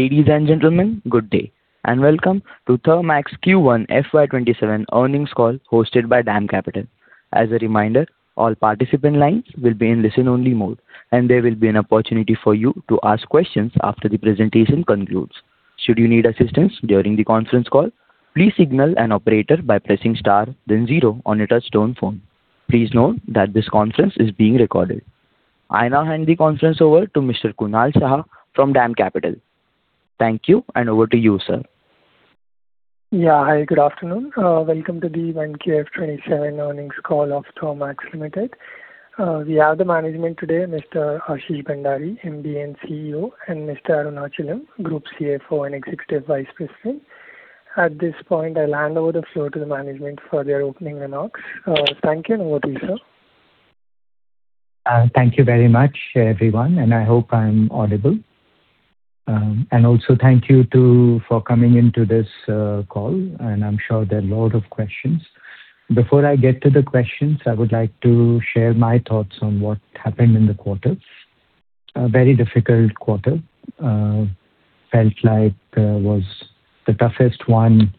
Ladies and gentlemen, good day and welcome to Thermax Q1 fiscal year 2027 earnings call hosted by DAM Capital. As a reminder, all participant lines will be in listen-only mode, and there will be an opportunity for you to ask questions after the presentation concludes. Should you need assistance during the conference call, please signal an operator by pressing star then zero on your touch-tone phone. Please note that this conference is being recorded. I now hand the conference over to Mr. Kunal Shah from DAM Capital. Thank you. Over to you, sir. Hi, good afternoon. Welcome to the 1Q fiscal year 2027 earnings call of Thermax Limited. We have the management today, Mr. Ashish Bhandari, Managing Director and Chief Executive Officer, and Mr. Arunachalam, Group Chief Financial Officer and Executive Vice President. At this point, I'll hand over the floor to the management for their opening remarks. Thank you. Over to you, sir. Thank you very much, everyone, and I hope I'm audible. Also thank you for coming into this call, and I'm sure there are a lot of questions. Before I get to the questions, I would like to share my thoughts on what happened in the quarter. A very difficult quarter. Felt like it was the toughest one,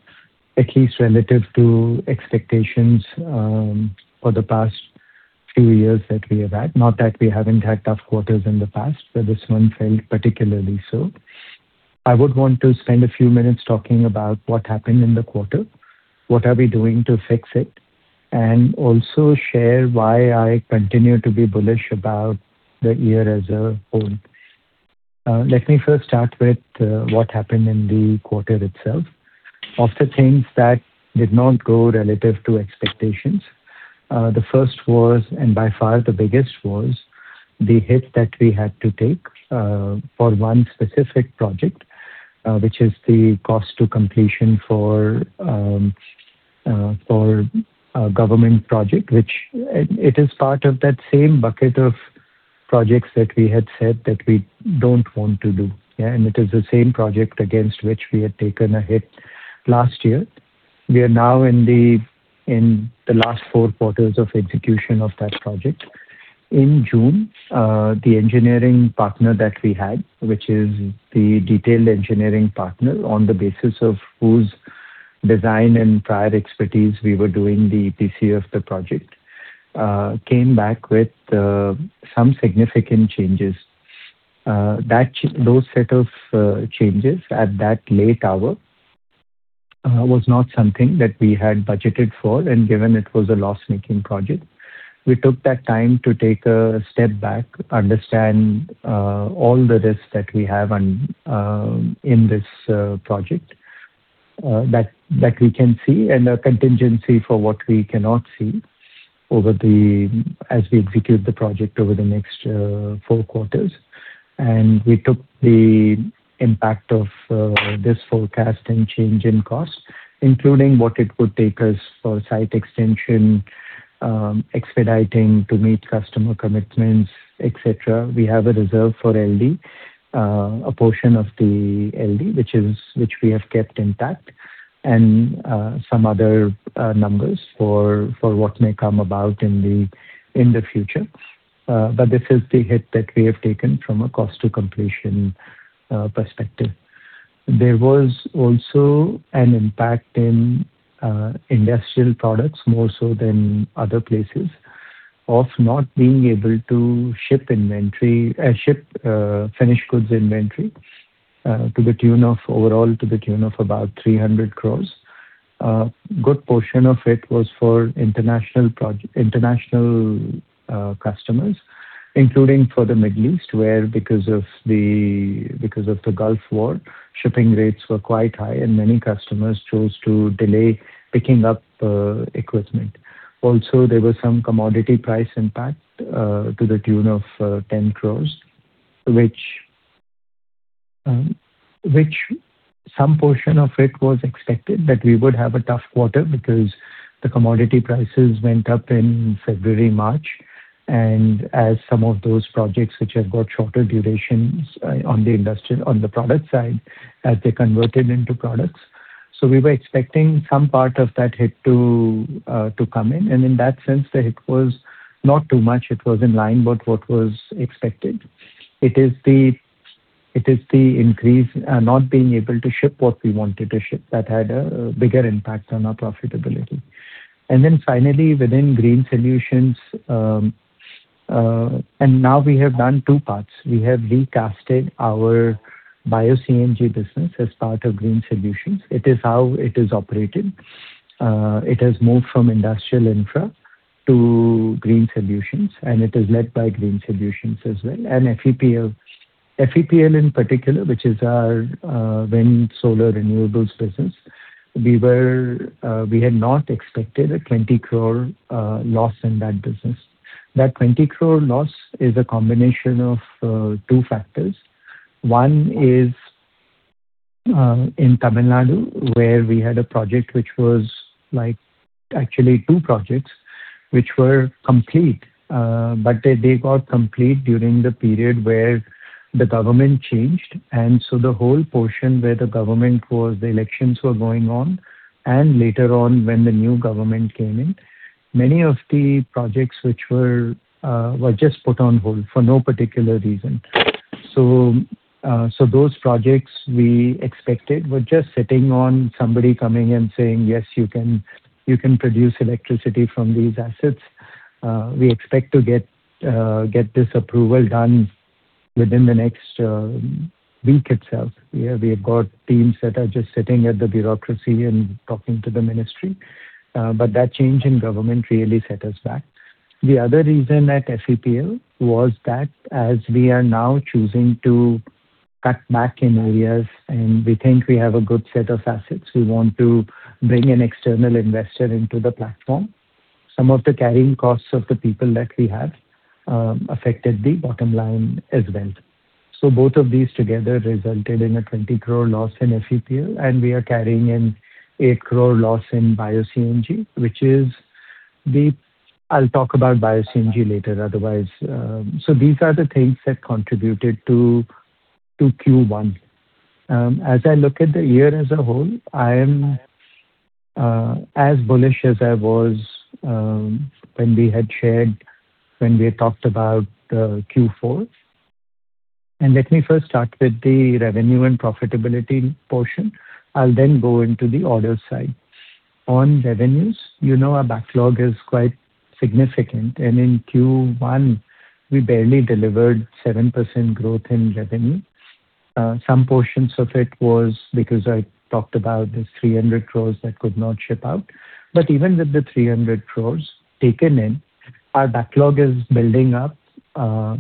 at least relative to expectations, for the past few years that we have had. Not that we haven't had tough quarters in the past, but this one felt particularly so. I would want to spend a few minutes talking about what happened in the quarter, what are we doing to fix it, and also share why I continue to be bullish about the year as a whole. Let me first start with what happened in the quarter itself. Of the things that did not go relative to expectations, the first was, and by far the biggest was, the hit that we had to take for one specific project which is the cost to completion for a government project. It is part of that same bucket of projects that we had said that we don't want to do. It is the same project against which we had taken a hit last year. We are now in the last four quarters of execution of that project. In June, the engineering partner that we had, which is the detailed engineering partner on the basis of whose design and prior expertise we were doing the EPC of the project, came back with some significant changes. Those set of changes at that late hour was not something that we had budgeted for. Given it was a loss-making project, we took that time to take a step back, understand all the risks that we have in this project that we can see, and a contingency for what we cannot see as we execute the project over the next four quarters. We took the impact of this forecast and change in cost, including what it would take us for site extension, expediting to meet customer commitments, et cetera. We have a reserve for LD, a portion of the LD, which we have kept intact, and some other numbers for what may come about in the future. This is the hit that we have taken from a cost to completion perspective. There was also an impact in industrial products, more so than other places, of not being able to ship finished goods inventory overall to the tune of about 300 crore. A good portion of it was for international customers, including for the Middle East where, because of the Gulf War, shipping rates were quite high and many customers chose to delay picking up equipment. Also, there was some commodity price impact to the tune of 10 crore. Some portion of it was expected that we would have a tough quarter because the commodity prices went up in February, March, and as some of those projects which have got shorter durations on the product side, as they converted into products. We were expecting some part of that hit to come in. In that sense, the hit was not too much. It was in line with what was expected. It is the not being able to ship what we wanted to ship that had a bigger impact on our profitability. Finally, within Green Solutions, we have done two parts. We have recasted our Bio-CNG business as part of Green Solutions. It is how it is operated. It has moved from Industrial & Infra to Green Solutions, and it is led by Green Solutions as well and FEPL. FEPL in particular, which is our wind solar renewables business. We had not expected an 20 crore loss in that business. That 20 crore loss is a combination of two factors. One is in Tamil Nadu, where we had a project, actually two projects, which were complete. They got complete during the period where the government changed. The whole portion where the government, the elections were going on, and later on when the new government came in. Many of the projects which were just put on hold for no particular reason. Those projects we expected were just sitting on somebody coming and saying, "Yes, you can produce electricity from these assets." We expect to get this approval done within the next week itself. We have got teams that are just sitting at the bureaucracy and talking to the ministry. That change in government really set us back. The other reason at FEPL was that as we are now choosing to cut back in areas, and we think we have a good set of assets, we want to bring an external investor into the platform. Some of the carrying costs of the people that we have affected the bottom line as well. Both of these together resulted in an 20 crore loss in FEPL, and we are carrying an 8 crore loss in Bio-CNG. I will talk about Bio-CNG later, otherwise. These are the things that contributed to Q1. As I look at the year as a whole, I am as bullish as I was when we had shared, when we had talked about Q4. Let me first start with the revenue and profitability portion. I will then go into the order side. On revenues, you know our backlog is quite significant, and in Q1, we barely delivered 7% growth in revenue. Some portions of it was because I talked about these 300 crore that could not ship out. But even with the 300 crore taken in, our backlog is building up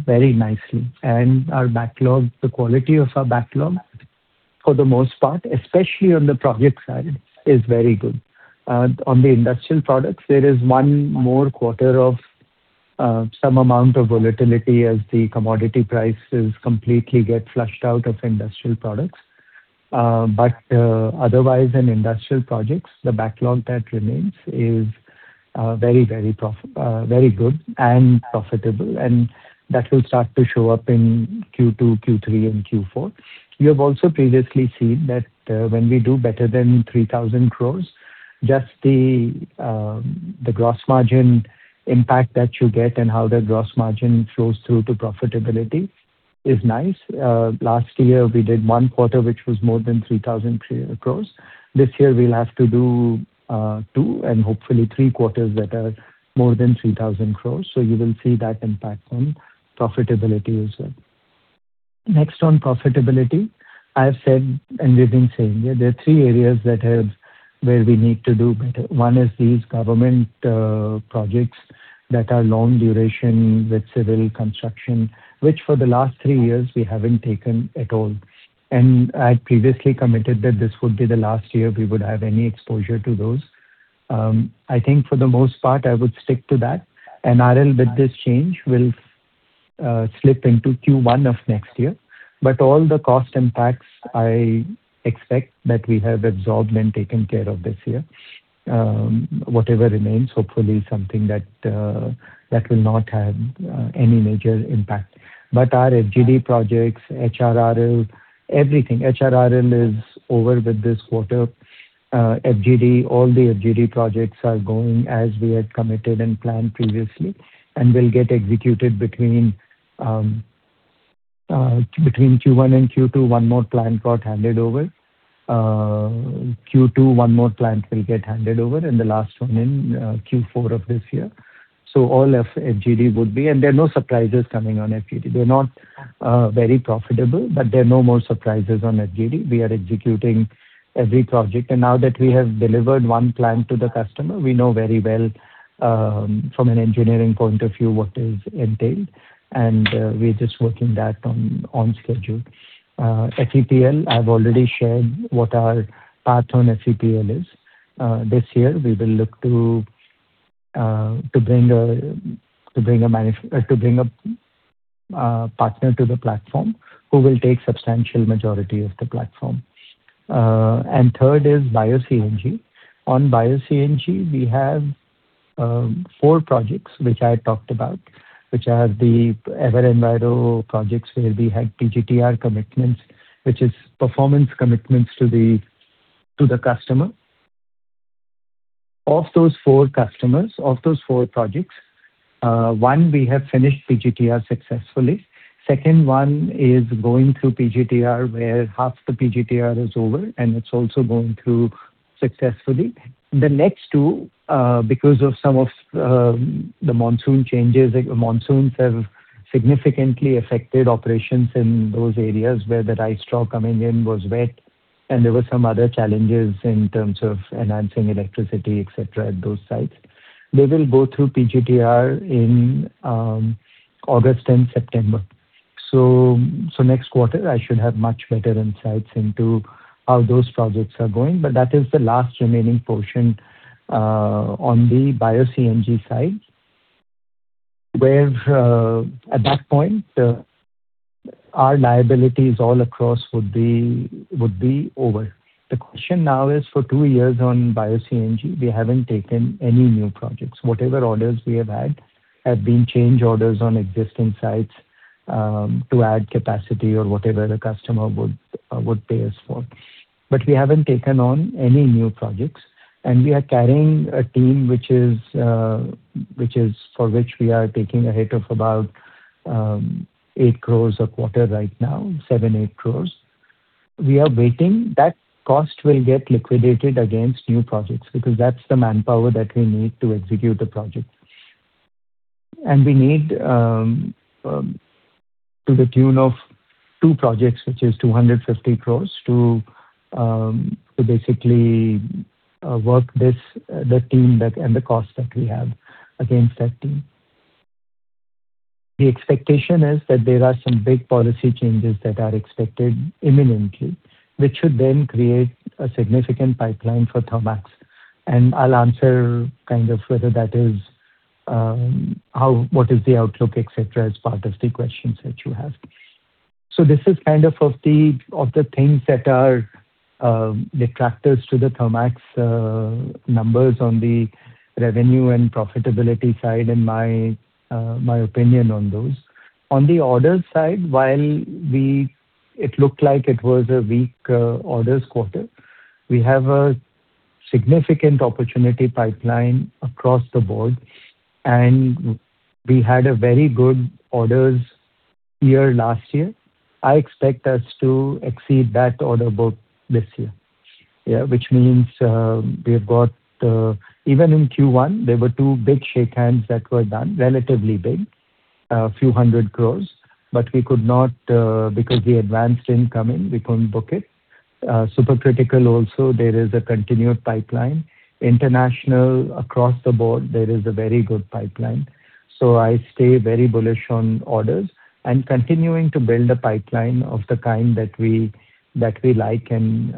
very nicely. And the quality of our backlog, for the most part, especially on the project side, is very good. On the industrial products, there is one more quarter of some amount of volatility as the commodity prices completely get flushed out of industrial products. Otherwise, in industrial projects, the backlog that remains is very good and profitable, and that will start to show up in Q2, Q3, and Q4. You have also previously seen that when we do better than 3,000 crore, just the gross margin impact that you get and how that gross margin flows through to profitability is nice. Last year, we did one quarter, which was more than 3,000 crore. This year, we will have to do two and hopefully three quarters that are more than 3,000 crore. So you will see that impact on profitability as well. Next on profitability, I have said, and we've been saying, there are three areas where we need to do better. One is these government projects that are long duration with civil construction, which for the last three years we haven't taken at all. I had previously committed that this would be the last year we would have any exposure to those. I think for the most part, I would stick to that. HRRL, with this change, will slip into Q1 of next year. But all the cost impacts, I expect that we have absorbed and taken care of this year. Whatever remains, hopefully something that will not have any major impact. But our FGD projects, HRRL, everything. HRRL is over with this quarter. FGD, all the FGD projects are going as we had committed and planned previously, and will get executed between Q1 and Q2. One more plant got handed over. Q2, one more plant will get handed over, and the last one in Q4 of this year. So all of FGD would be, and there are no surprises coming on FGD. They're not very profitable, but there are no more surprises on FGD. We are executing every project. And now that we have delivered one plant to the customer, we know very well, from an engineering point of view, what is entailed, and we're just working that on schedule. FEPL, I've already shared what our path on FEPL is. This year, we will look to bring a partner to the platform who will take substantial majority of the platform. And third is Bio-CNG. On Bio-CNG, we have four projects which I talked about, which are the EverEnviro projects, where we had PGTR commitments, which is performance commitments to the customer. Of those four customers, of those four projects, one we have finished PGTR successfully. Second one is going through PGTR, where half the PGTR is over, and it's also going through successfully. The next two, because of some of the monsoon changes, monsoons have significantly affected operations in those areas where the rice straw coming in was wet, and there were some other challenges in terms of enhancing electricity, et cetera, at those sites. They will go through PGTR in August and September. Next quarter, I should have much better insights into how those projects are going. That is the last remaining portion on the Bio-CNG side, where at that point, our liabilities all across would be over. The question now is for two years on Bio-CNG, we haven't taken any new projects. Whatever orders we have had, have been change orders on existing sites to add capacity or whatever the customer would pay us for. We haven't taken on any new projects, and we are carrying a team for which we are taking a hit of about 8 crore a quarter right now, 7 crore-8 crore. We are waiting. That cost will get liquidated against new projects because that's the manpower that we need to execute the project. We need to the tune of two projects, which is 250 crore to basically work the team and the cost that we have against that team. The expectation is that there are some big policy changes that are expected imminently, which should then create a significant pipeline for Thermax. I'll answer kind of whether that is what is the outlook, et cetera, as part of the questions that you have. This is kind of the things that are detractors to the Thermax numbers on the revenue and profitability side and my opinion on those. On the orders side, while it looked like it was a weak orders quarter, we have a significant opportunity pipeline across the board, and we had a very good orders year last year. I expect us to exceed that order book this year. Yeah. Even in Q1, there were two big shake hands that were done, relatively big, a few hundred crore, but because we advanced income in, we couldn't book it. Supercritical also, there is a continued pipeline. International, across the board, there is a very good pipeline. I stay very bullish on orders and continuing to build a pipeline of the kind that we like and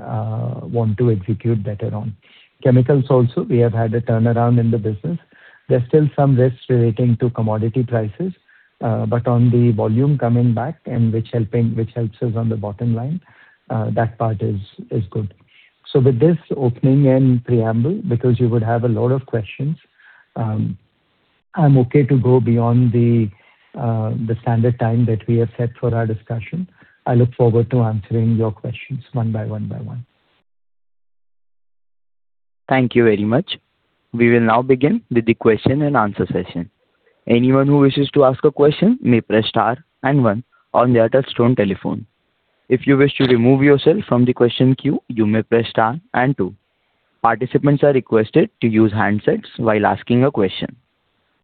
want to execute better on. Chemicals also, we have had a turnaround in the business. There's still some risk relating to commodity prices. On the volume coming back and which helps us on the bottom line, that part is good. With this opening and preamble, because you would have a lot of questions, I'm okay to go beyond the standard time that we have set for our discussion. I look forward to answering your questions one by one by one. Thank you very much. We will now begin with the question-and-answer session. Anyone who wishes to ask a question may press star and one on their touch-tone telephone. If you wish to remove yourself from the question queue, you may press star and two. Participants are requested to use handsets while asking a question.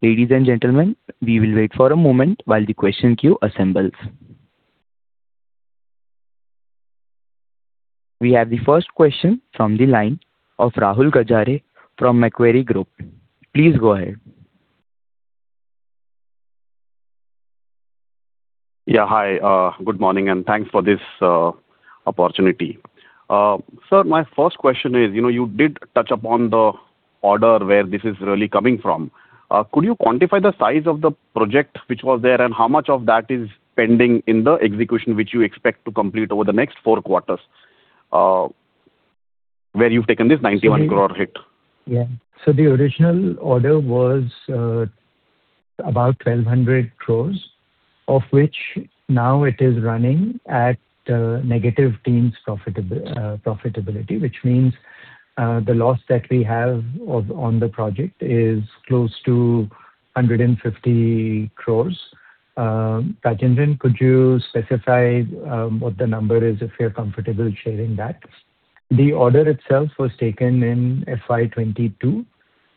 Ladies and gentlemen, we will wait for a moment while the question queue assembles. We have the first question from the line of Rahul Gajare from Macquarie Group. Please go ahead. Yeah. Hi, good morning, and thanks for this opportunity. Sir, my first question is, you did touch upon the order where this is really coming from. Could you quantify year the size of the project which was there, and how much of that is pending in the execution, which you expect to complete over the next four quarters? Where you've taken this 91 crore hit. Yeah. The original order was about 1,200 crore, of which now it is running at negative teens profitability. Which means the loss that we have on the project is close to 150 crore. Rajendran, could you specify year what the number is if you're comfortable sharing that? The order itself was taken in fiscal year 2022,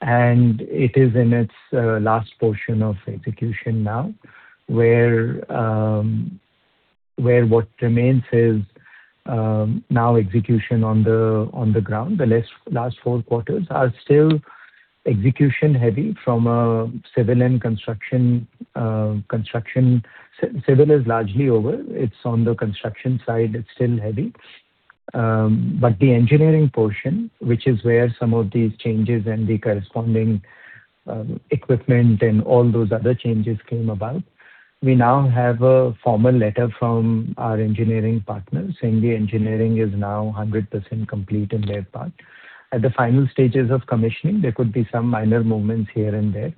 and it is in its last portion of execution now, where what remains is now execution on the ground. The last four quarters are still execution heavy from a civil and construction. Civil is largely over. It's on the construction side it's still heavy. The engineering portion, which is where some of these changes and the corresponding equipment and all those other changes came about. We now have a formal letter from our engineering partner saying the engineering is now 100% complete in their part. At the final stages of commissioning, there could be some minor movements here and there.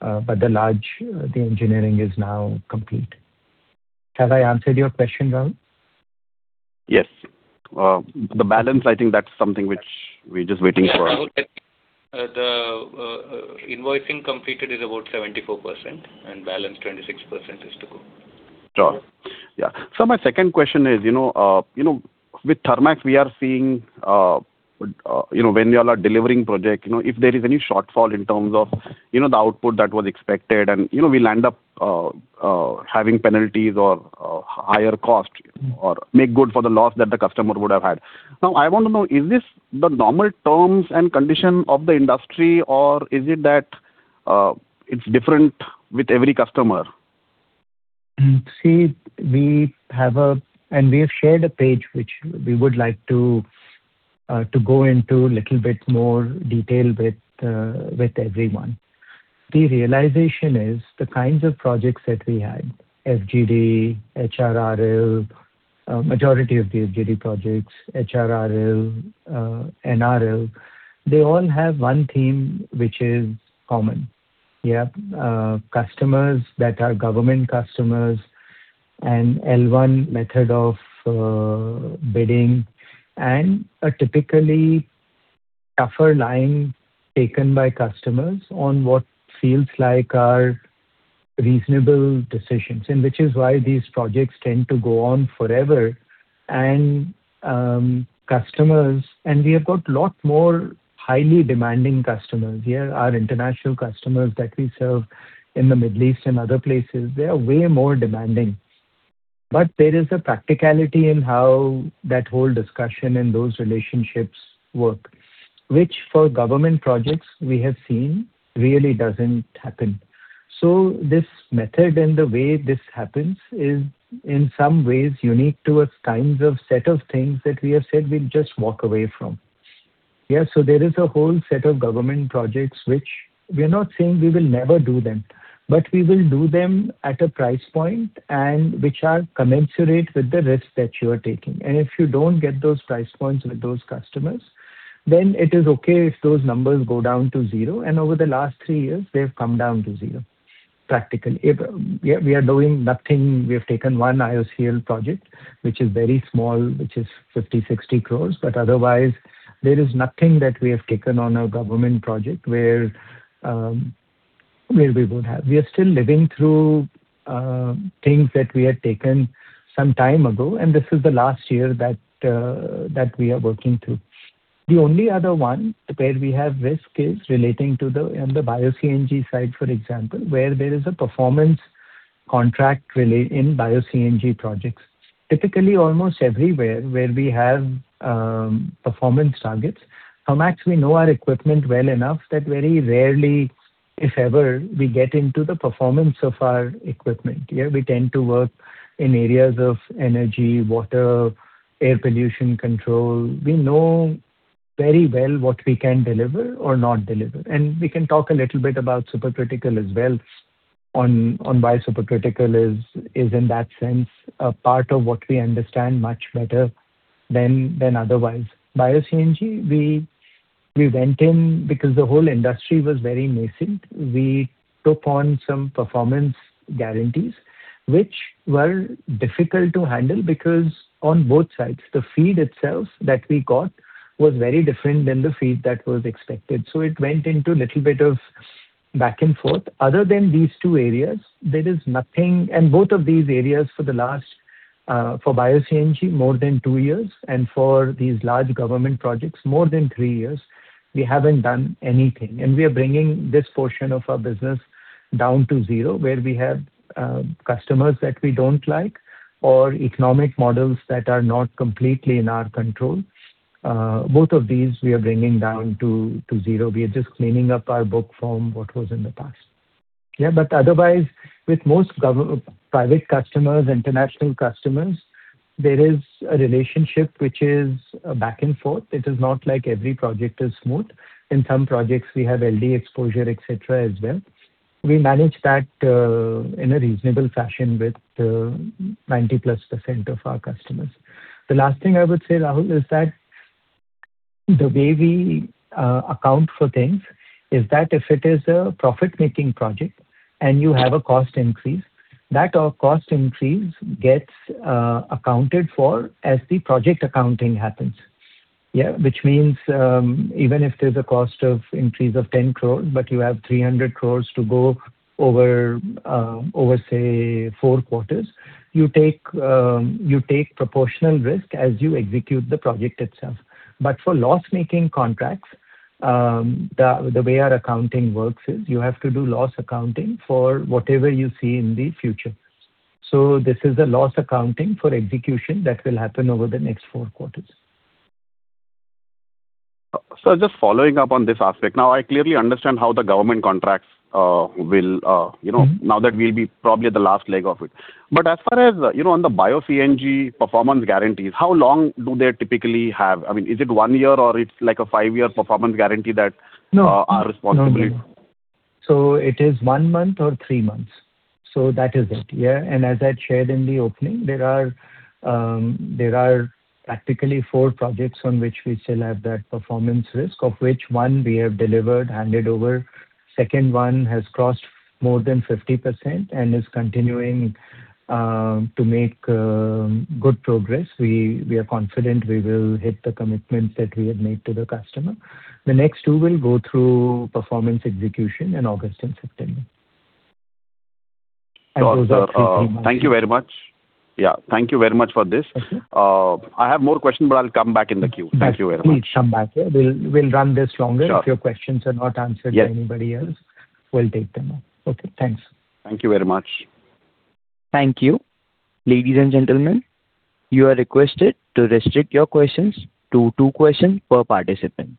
The engineering is now complete. Have I answered your question, Rahul? Yes. The balance, I think that's something which we're just waiting for. The invoicing completed is about 74%, balance 26% is to go. Sure. Yeah. My second question is, with Thermax, we are seeing when you all are delivering project, if there is any shortfall in terms of the output that was expected and we'll end up having penalties or higher cost or make good for the loss that the customer would have had. Now I want to know, is this the normal terms and condition of the industry, or is it that it's different with every customer? See, we have shared a page which we would like to go into little bit more detail with everyone. The realization is the kinds of projects that we had, FGD, HRRL Majority of the JD projects, HRRL, NRL, they all have one theme which is common. Customers that are government customers and L1 method of bidding, a typically tougher line taken by customers on what feels like are reasonable decisions. Which is why these projects tend to go on forever. We have got lot more highly demanding customers. Our international customers that we serve in the Middle East and other places, they are way more demanding. There is a practicality in how that whole discussion and those relationships work, which for government projects we have seen really doesn't happen. This method and the way this happens is in some ways unique to us, kinds of set of things that we have said we'll just walk away from. There is a whole set of government projects which we are not saying we will never do them, but we will do them at a price point and which are commensurate with the risk that you are taking. If you don't get those price points with those customers, then it is okay if those numbers go down to zero. Over the last three years, they've come down to zero, practically. We are doing nothing. We have taken one IOCL project, which is very small, which is 50-60 crore, but otherwise, there is nothing that we have taken on a government project where we would have. We are still living through things that we had taken some time ago, and this is the last year that we are working through. The only other one where we have risk is relating to in the Bio-CNG side, for example, where there is a performance contract really in Bio-CNG projects. Typically, almost everywhere where we have performance targets, Thermax, we know our equipment well enough that very rarely, if ever, we get into the performance of our equipment. We tend to work in areas of energy, water, air pollution control. We know very well what we can deliver or not deliver. We can talk a little bit about supercritical as well on why supercritical is in that sense a part of what we understand much better than otherwise. Bio-CNG, we went in because the whole industry was very nascent. We took on some performance guarantees, which were difficult to handle because on both sides, the feed itself that we got was very different than the feed that was expected. It went into little bit of back and forth. Other than these two areas, there is nothing. Both of these areas for the last, for Bio-CNG, more than two years, and for these large government projects, more than three years, we haven't done anything. We are bringing this portion of our business down to zero, where we have customers that we don't like or economic models that are not completely in our control. Both of these we are bringing down to zero. We are just cleaning up our book from what was in the past. Otherwise, with most private customers, international customers, there is a relationship which is a back and forth. It is not like every project is smooth. In some projects, we have LD exposure, et cetera, as well. We manage that in a reasonable fashion with 90+% of our customers. The last thing I would say, Rahul, is that the way we account for things is that if it is a profit-making project and you have a cost increase, that cost increase gets accounted for as the project accounting happens. Even if there's a cost of increase of 10 crore, but you have 300 crore to go over, say, four quarters, you take proportional risk as you execute the project itself. For loss-making contracts, the way our accounting works is you have to do loss accounting for whatever you see in the future. This is a loss accounting for execution that will happen over the next four quarters. Sir, just following up on this aspect. I clearly understand how the government contracts will, now that we will be probably at the last leg of it. But as far as on the Bio-CNG performance guarantees, how long do they typically have? Is it one year or it is like a five-year performance guarantee? No Are responsibility? No. It is one month or three months. That is it. As I shared in the opening, there are practically four projects on which we still have that performance risk, of which one we have delivered, handed over. Second one has crossed more than 50% and is continuing to make good progress. We are confident we will hit the commitments that we had made to the customer. The next two will go through performance execution in August and September. Those are three months. Thank you very much. Thank you very much for this. Okay. I have more questions. I'll come back in the queue. Thank you very much. Please come back. We'll run this longer. Sure. If your questions are not answered by anybody else, we'll take them up. Okay, thanks. Thank you very much. Thank you. Ladies and gentlemen, you are requested to restrict your questions to two questions per participant.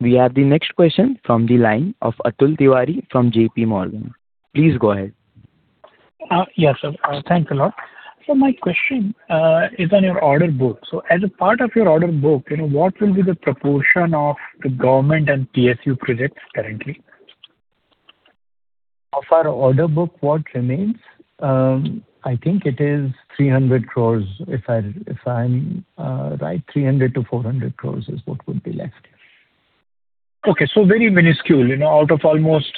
We have the next question from the line of Atul Tiwari from JPMorgan. Please go ahead. Yes, sir. Thanks a lot. My question is on your order book. As a part of your order book, what will be the proportion of the government and PSU projects currently? Of our order book, what remains, I think it is 300 crore. If I'm right, 300 crore-400 crore is what would be left. Okay. Very minuscule. Out of almost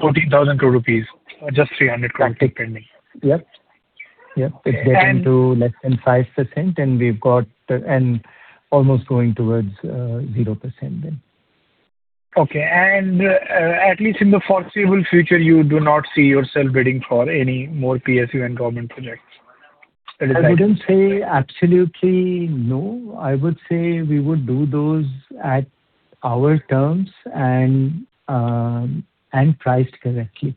14,000 crore rupees, just 300 crore pending. Yep. It's getting to less than 5%, almost going towards 0% then. Okay. At least in the foreseeable future, you do not see yourself bidding for any more PSU and government projects. I wouldn't say absolutely no. I would say we would do those at our terms and priced correctly.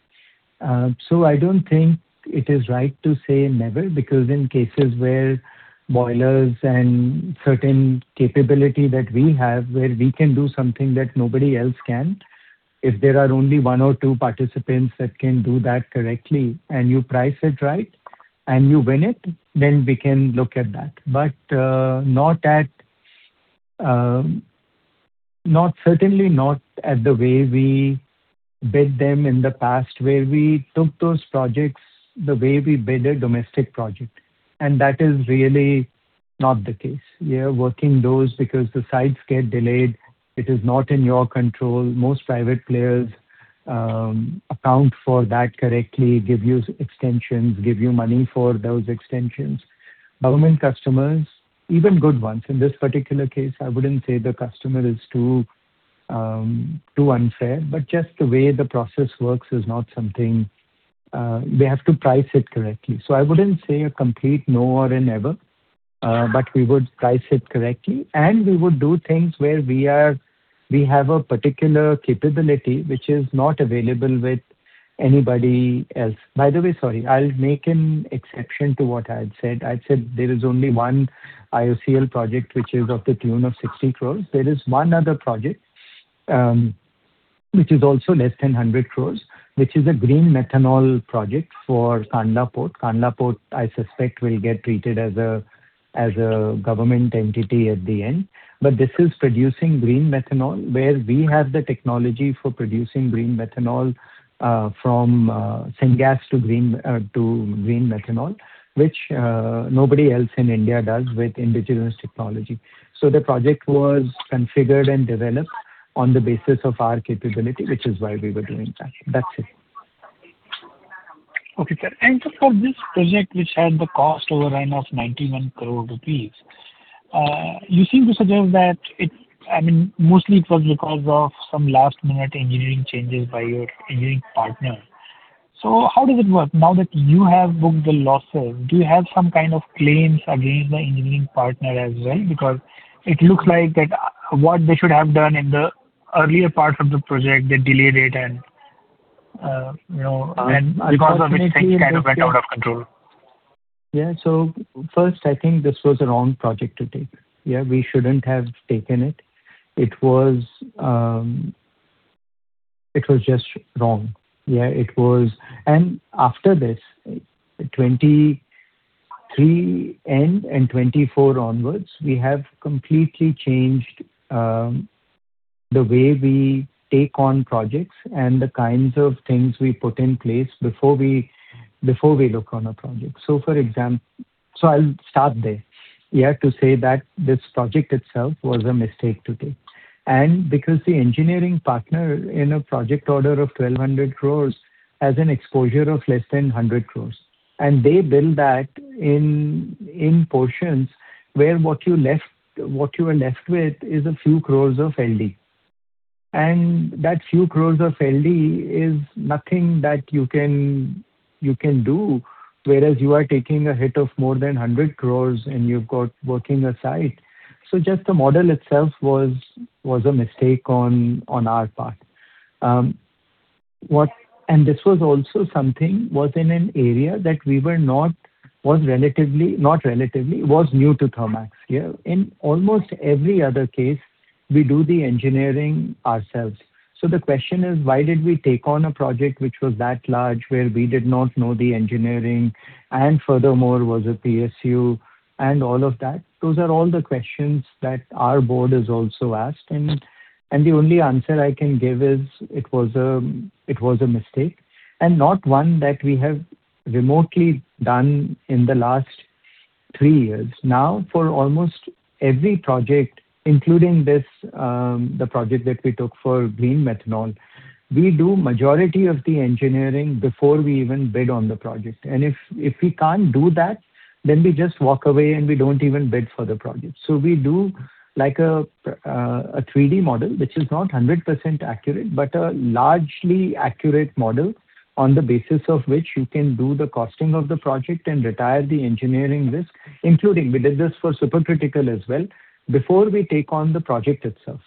I don't think it is right to say never because in cases where boilers and certain capability that we have, where we can do something that nobody else can, if there are only one or two participants that can do that correctly and you price it right and you win it, then we can look at that. Certainly not at the way we bid them in the past where we took those projects the way we bid a domestic project, that is really not the case. We are working those because the sites get delayed. It is not in your control. Most private players account for that correctly, give you extensions, give you money for those extensions. Government customers, even good ones. In this particular case, I wouldn't say the customer is too unfair, just the way the process works is not something. We have to price it correctly. I wouldn't say a complete no or a never, we would price it correctly and we would do things where we have a particular capability which is not available with anybody else. By the way, sorry, I'll make an exception to what I had said. I said there is only one Indian Oil Corporation Limited project, which is of the tune of 60 crore. There is one other project, which is also less than 100 crore, which is a green methanol project for Kandla Port. Kandla Port, I suspect will get treated as a government entity at the end. This is producing green methanol where we have the technology for producing green methanol from syngas to green methanol, which nobody else in India does with indigenous technology. The project was configured and developed on the basis of our capability, which is why we were doing that. That's it. Okay, sir. For this project, which had the cost overrun of 91 crore rupees, you seem to suggest that mostly it was because of some last-minute engineering changes by your engineering partner. How does it work now that you have booked the losses? Do you have some kind of claims against the engineering partner as well? It looks like that what they should have done in the earlier part of the project, they delayed it and because of which things kind of went out of control. Yeah. First, I think this was a wrong project to take. We shouldn't have taken it. It was just wrong. After this 2023 end and 2024 onwards, we have completely changed the way we take on projects and the kinds of things we put in place before we look on a project. I'll start there to say that this project itself was a mistake to take. Because the engineering partner in a project order of 1,200 crore has an exposure of less than 100 crore. They bill that in portions where what you are left with is a few crore of LD. That few crore of LD is nothing that you can do, whereas you are taking a hit of more than 100 crore and you've got working a site. Just the model itself was a mistake on our part. This was also something was in an area that was new to Thermax. In almost every other case, we do the engineering ourselves. The question is, why did we take on a project which was that large, where we did not know the engineering, and furthermore, was a PSU and all of that? Those are all the questions that our board has also asked, and the only answer I can give is it was a mistake and not one that we have remotely done in the last three years. For almost every project, including the project that we took for green methanol, we do majority of the engineering before we even bid on the project. If we can't do that, then we just walk away and we don't even bid for the project. We do a 3D model, which is not 100% accurate, but a largely accurate model on the basis of which you can do the costing of the project and retire the engineering risk, including we did this for supercritical as well before we take on the project itself.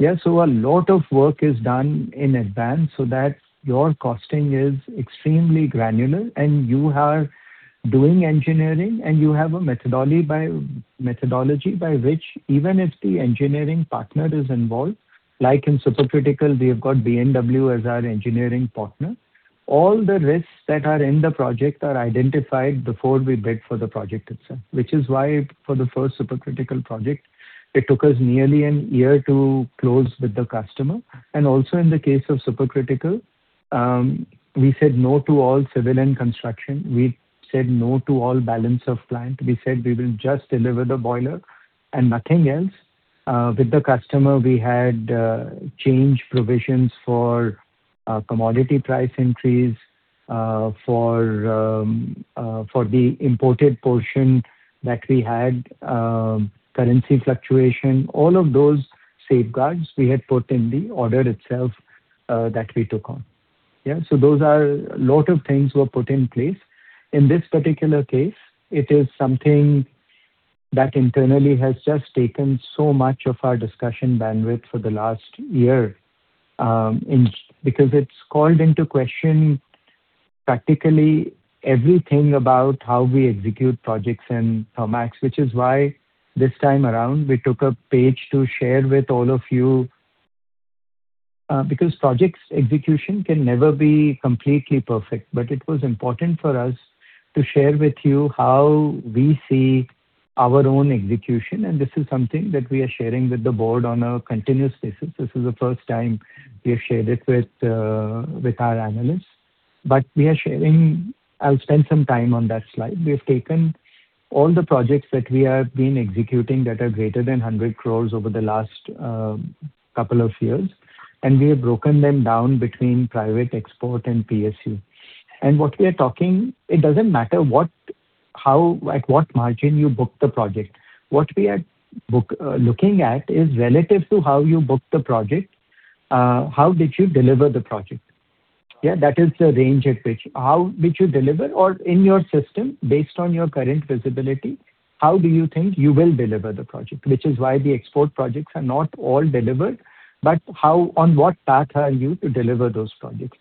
A lot of work is done in advance so that your costing is extremely granular and you are doing engineering and you have a methodology by which even if the engineering partner is involved, like in supercritical, we have got B&W as our engineering partner. All the risks that are in the project are identified before we bid for the project itself, which is why for the first supercritical project, it took us nearly a year to close with the customer. Also in the case of supercritical, we said no to all civil and construction. We said no to all balance of plant. We said we will just deliver the boiler and nothing else. With the customer, we had change provisions for commodity price increase, for the imported portion that we had currency fluctuation. All of those safeguards we had put in the order itself that we took on. A lot of things were put in place. In this particular case, it is something that internally has just taken so much of our discussion bandwidth for the last year, because it has called into question practically everything about how we execute projects in Thermax. Which is why this time around we took a page to share with all of you, because projects execution can never be completely perfect. It was important for us to share with you how we see our own execution, this is something that we are sharing with the board on a continuous basis. This is the first time we have shared it with our analysts. We are sharing. I will spend some time on that slide. We have taken all the projects that we have been executing that are greater than 100 crore over the last couple of years, and we have broken them down between private, export, and PSU. What we are talking, it does not matter at what margin you book the project. What we are looking at is relative to how you book the project, how did you deliver the project? That is the range at which how did you deliver or in your system based on your current visibility, how do you think you will deliver the project? Which is why the export projects are not all delivered, but on what path are you to deliver those projects.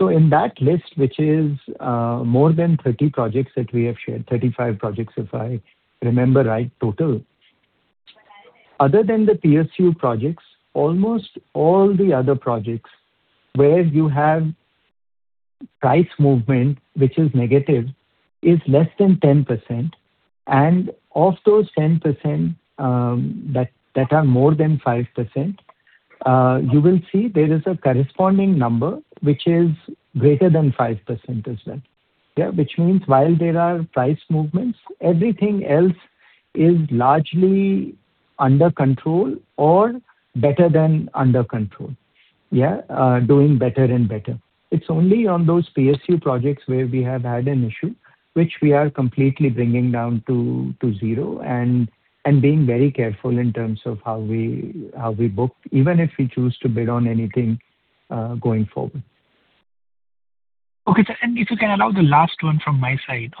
In that list, which is more than 30 projects that we have shared, 35 projects, if I remember right, total. Other than the PSU projects, almost all the other projects where you have price movement, which is negative, is less than 10%. Of those 10% that are more than 5%, you will see there is a corresponding number which is greater than 5% as well. Which means while there are price movements, everything else is largely under control or better than under control. Doing better and better. It's only on those PSU projects where we have had an issue, which we are completely bringing down to zero and being very careful in terms of how we book, even if we choose to bid on anything, going forward. Okay, sir, if you can allow the last one from my side.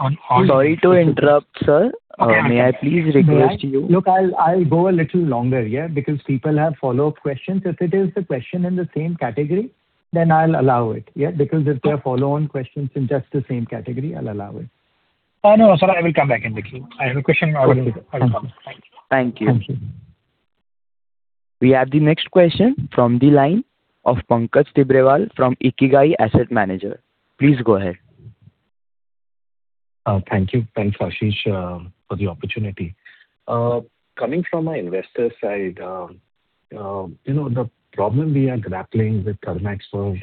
Sorry to interrupt, sir. Okay. May I please request. Look, I'll go a little longer, yeah, because people have follow-up questions. If it is a question in the same category, then I'll allow it. Yeah. Because if they are follow-on questions in just the same category, I'll allow it. Oh, no, sir, I will come back in with you. I have a question. Okay. Thank you. Thank you. We have the next question from the line of Pankaj Tibrewal from IKIGAI Asset Manager. Please go ahead. Thank you. Thanks, Ashish, for the opportunity. Coming from an investor side, the problem we are grappling with Thermax for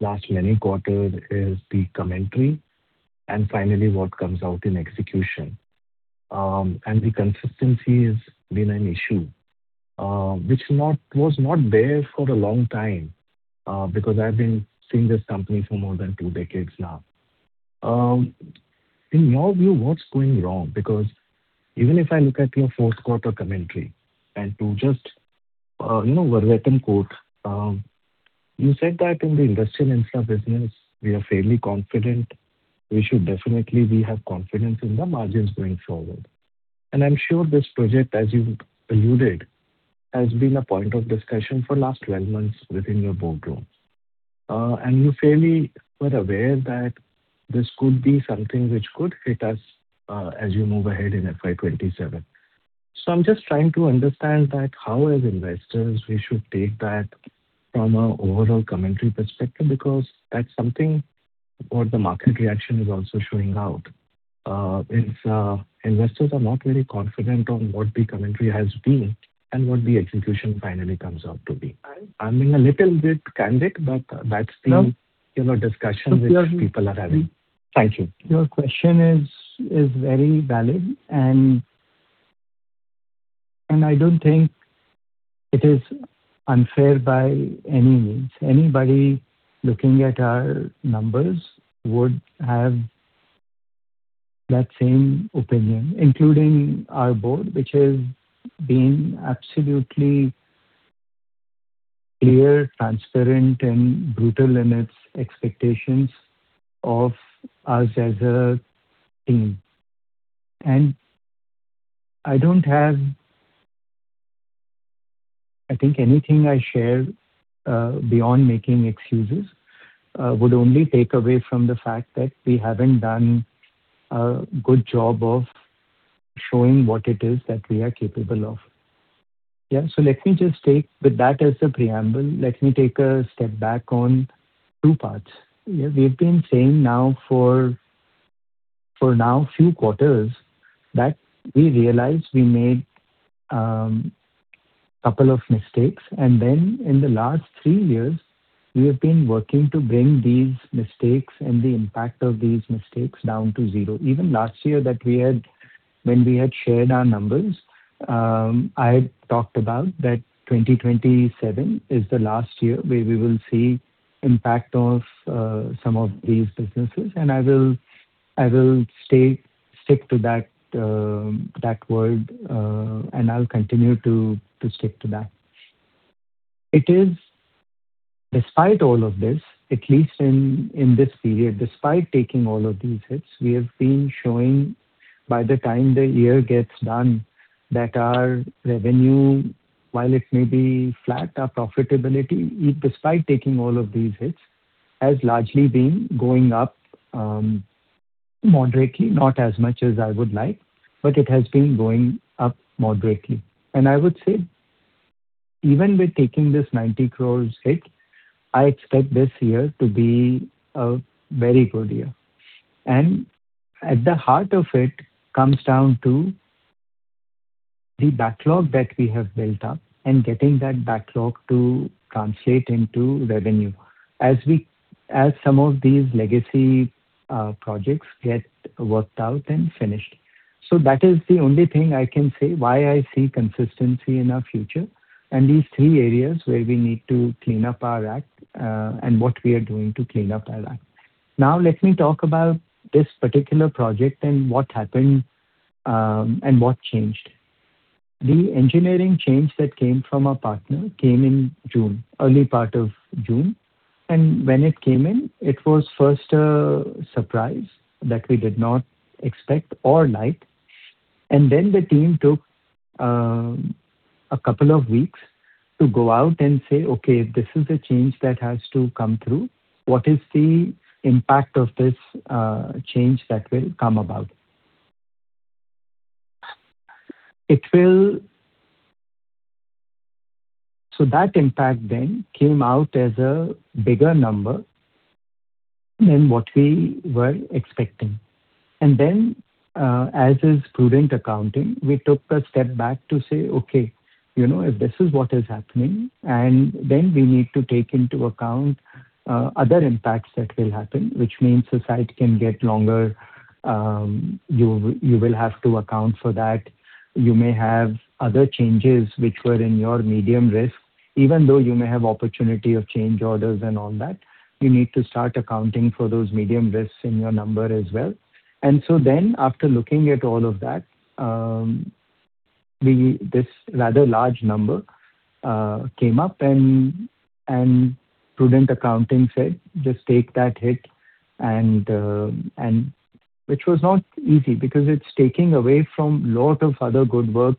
last many quarter is the commentary and finally what comes out in execution. The consistency has been an issue, which was not there for a long time, because I've been seeing this company for more than two decades now. In your view, what's going wrong? Because even if I look at your fourth quarter commentary and to just verbatim quote, you said that in the industrial infra business, we are fairly confident. We should definitely have confidence in the margins going forward. I'm sure this project, as you alluded, has been a point of discussion for last 12 months within your boardroom. You fairly were aware that this could be something which could hit us, as you move ahead in fiscal year 2027. I'm just trying to understand that how as investors we should take that from an overall commentary perspective, because that's something what the market reaction is also showing out, is investors are not very confident on what the commentary has been and what the execution finally comes out to be. I'm being a little bit candid, but that's the discussion which people are having. Thank you. Your question is very valid, I don't think it is unfair by any means. Anybody looking at our numbers would have that same opinion, including our board, which has been absolutely clear, transparent and brutal in its expectations of us as a team. I think anything I share, beyond making excuses, would only take away from the fact that we haven't done a good job of showing what it is that we are capable of. Yeah. Let me just take, with that as the preamble, let me take a step back on two parts. We've been saying now for now, few quarters that we realized we made a couple of mistakes. In the last three years, we have been working to bring these mistakes and the impact of these mistakes down to zero. Even last year when we had shared our numbers, I talked about that 2027 is the last year where we will see impact of some of these businesses. I will stick to that word, and I'll continue to stick to that. Despite all of this, at least in this period, despite taking all of these hits, we have been showing by the time the year gets done that our revenue, while it may be flat, our profitability, despite taking all of these hits, has largely been going up moderately, not as much as I would like, but it has been going up moderately. I would say even with taking this 90 crore hit, I expect this year to be a very good year. At the heart of it comes down to the backlog that we have built up and getting that backlog to translate into revenue as some of these legacy projects get worked out and finished. That is the only thing I can say why I see consistency in our future and these three areas where we need to clean up our act, and what we are doing to clean up our act. Let me talk about this particular project and what happened and what changed. The engineering change that came from our partner came in early part of June. When it came in, it was first a surprise that we did not expect or like. The team took a couple of weeks to go out and say, "Okay, this is a change that has to come through. What is the impact of this change that will come about?" That impact then came out as a bigger number than what we were expecting. As is prudent accounting, we took a step back to say, "Okay, if this is what is happening, then we need to take into account other impacts that will happen," which means the site can get longer. You will have to account for that. You may have other changes which were in your medium risk. Even though you may have opportunity of change orders and all that, you need to start accounting for those medium risks in your number as well. After looking at all of that, this rather large number came up and prudent accounting said, "Just take that hit." Which was not easy because it's taking away from lot of other good work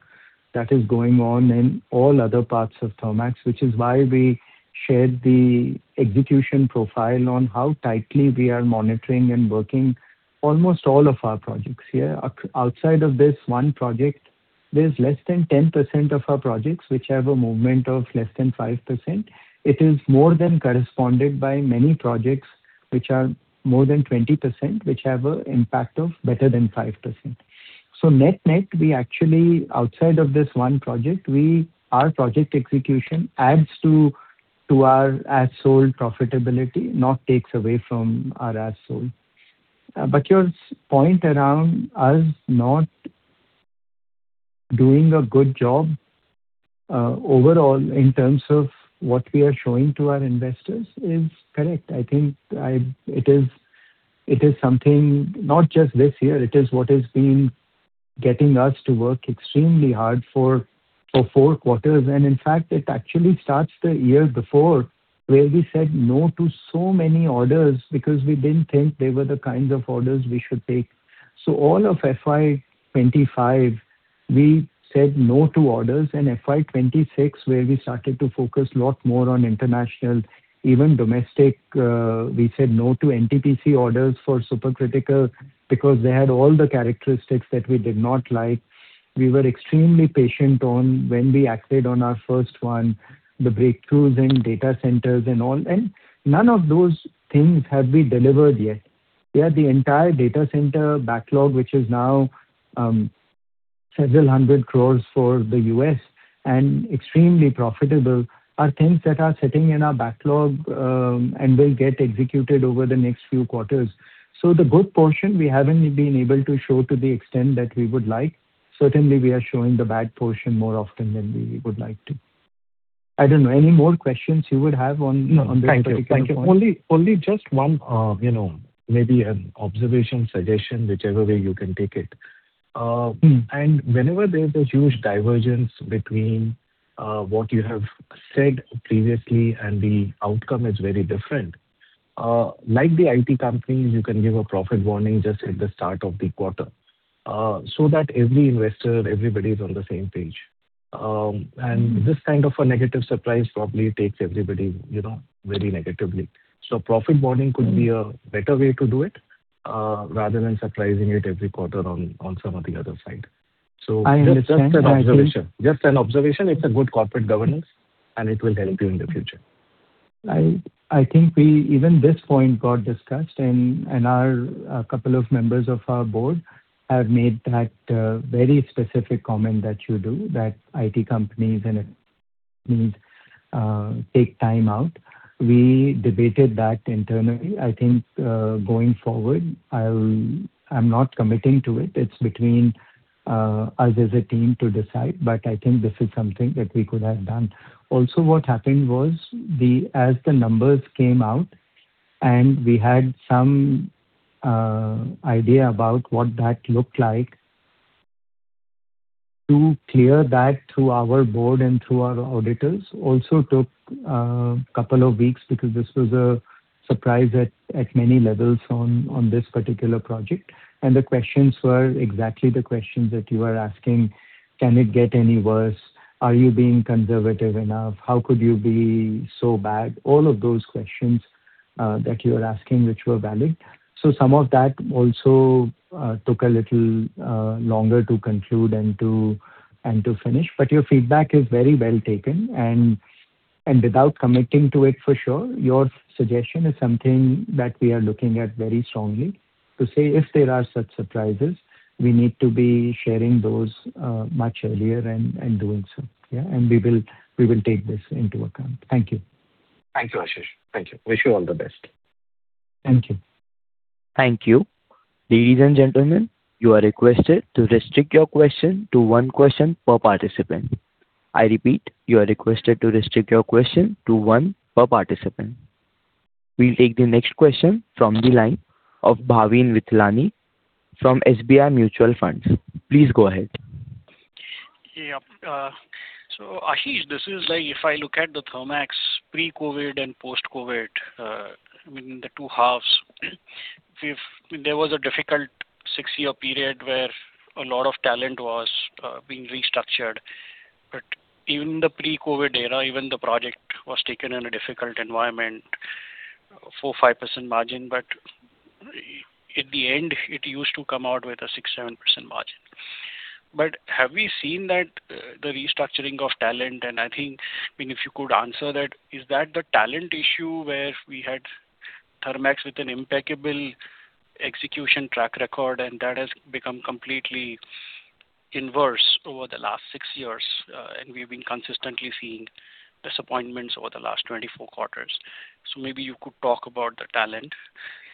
that is going on in all other parts of Thermax, which is why we shared the execution profile on how tightly we are monitoring and working almost all of our projects here. Outside of this one project, there's less than 10% of our projects which have a movement of less than 5%. It is more than corresponded by many projects which are more than 20%, which have an impact of better than 5%. Net-net, we actually, outside of this one project, our project execution adds to our as sold profitability, not takes away from our as sold. Your point around us not doing a good job overall in terms of what we are showing to our investors is correct. I think it is something not just this year, it is what has been getting us to work extremely hard for four quarters. In fact, it actually starts the year before where we said no to so many orders because we didn't think they were the kinds of orders we should take. All of fiscal year 2025, we said no to orders, and fiscal year 2026, where we started to focus a lot more on international, even domestic, we said no to NTPC orders for super critical because they had all the characteristics that we did not like. We were extremely patient on when we acted on our first one, the breakthroughs in data centers and all. None of those things have been delivered yet. Yet the entire data center backlog, which is now several hundred crore for the U.S. and extremely profitable, are things that are sitting in our backlog and will get executed over the next few quarters. The good portion, we haven't been able to show to the extent that we would like. Certainly, we are showing the bad portion more often than we would like to. I don't know. Any more questions you would have on this particular point? No. Thank you. Only just one maybe an observation, suggestion, whichever way you can take it. Whenever there's a huge divergence between what you have said previously and the outcome is very different, like the IT companies, you can give a profit warning just at the start of the quarter, so that every investor, everybody's on the same page. This kind of a negative surprise probably takes everybody very negatively. Profit warning could be a better way to do it, rather than surprising it every quarter on some of the other side. I understand Just an observation. It's a good corporate governance, and it will help you in the future. I think even this point got discussed and a couple of members of our board have made that very specific comment that you do, that IT companies take time out. We debated that internally. I think, going forward, I'm not committing to it. It's between us as a team to decide. I think this is something that we could have done. Also what happened was, as the numbers came out and we had some idea about what that looked like. To clear that through our board and through our auditors also took a couple of weeks because this was a surprise at many levels on this particular project. The questions were exactly the questions that you are asking. Can it get any worse? Are you being conservative enough? How could you be so bad? All of those questions that you are asking, which were valid. Some of that also took a little longer to conclude and to finish. Your feedback is very well taken and without committing to it for sure, your suggestion is something that we are looking at very strongly. To say, if there are such surprises, we need to be sharing those much earlier and doing so. Yeah. We will take this into account. Thank you. Thank you, Ashish. Thank you. Wish you all the best. Thank you. Thank you. Ladies and gentlemen, you are requested to restrict your question to one question per participant. I repeat, you are requested to restrict your question to one per participant. We'll take the next question from the line of Bhavin Vithlani from SBI Mutual Fund. Please go ahead. Yeah. Ashish, this is like if I look at the Thermax pre-COVID and post-COVID, I mean, the two halves. There was a difficult six-year period where a lot of talent was being restructured. Even the pre-COVID era, even the project was taken in a difficult environment, four, five% margin. In the end, it used to come out with a six, seven% margin. Have we seen that the restructuring of talent and I think if you could answer that, is that the talent issue where we had Thermax with an impeccable execution track record and that has become completely inverse over the last six years. We've been consistently seeing disappointments over the last 24 quarters. Maybe you could talk about the talent.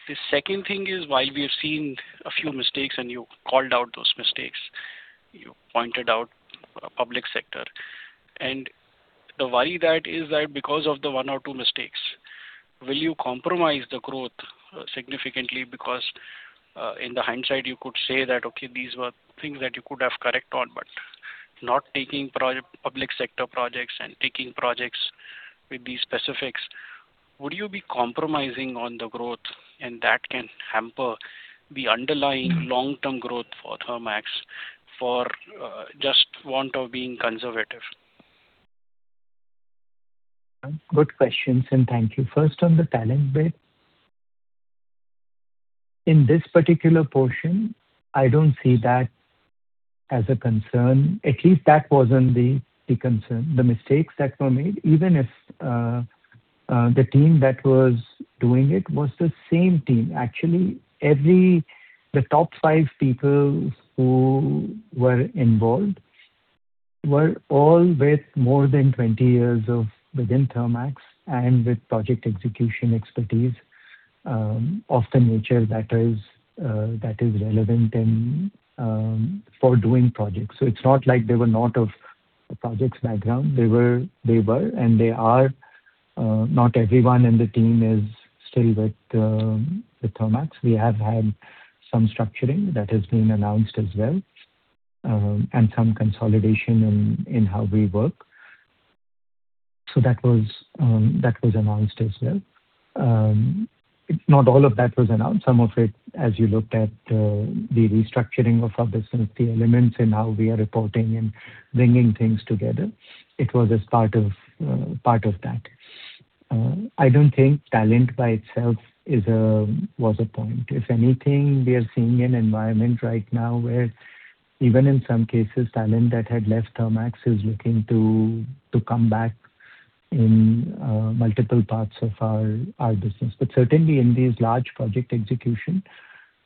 The second thing is, while we have seen a few mistakes and you called out those mistakes. You pointed out public sector and the why that is that because of the one or two mistakes, will you compromise the growth significantly? Because, in the hindsight, you could say that, okay, these were things that you could have corrected on, but not taking public sector projects and taking projects with these specifics. Would you be compromising on the growth and that can hamper the underlying long-term growth for Thermax for just want of being conservative? Good questions. Thank you. First on the talent bit. In this particular portion, I don't see that as a concern. At least that wasn't the concern. The mistakes that were made, even if the team that was doing it was the same team. Actually, the top five people who were involved were all with more than 20 years within Thermax and with project execution expertise of the nature that is relevant for doing projects. It's not like they were not of projects background. They were and they are. Not everyone in the team is still with Thermax. We have had some structuring that has been announced as well and some consolidation in how we work. That was announced as well. Not all of that was announced. Some of it, as you looked at the restructuring of our business, the elements in how we are reporting and bringing things together, it was as part of that. I don't think talent by itself was a point. If anything, we are seeing an environment right now where even in some cases, talent that had left Thermax is looking to come back in multiple parts of our business. Certainly in these large project execution,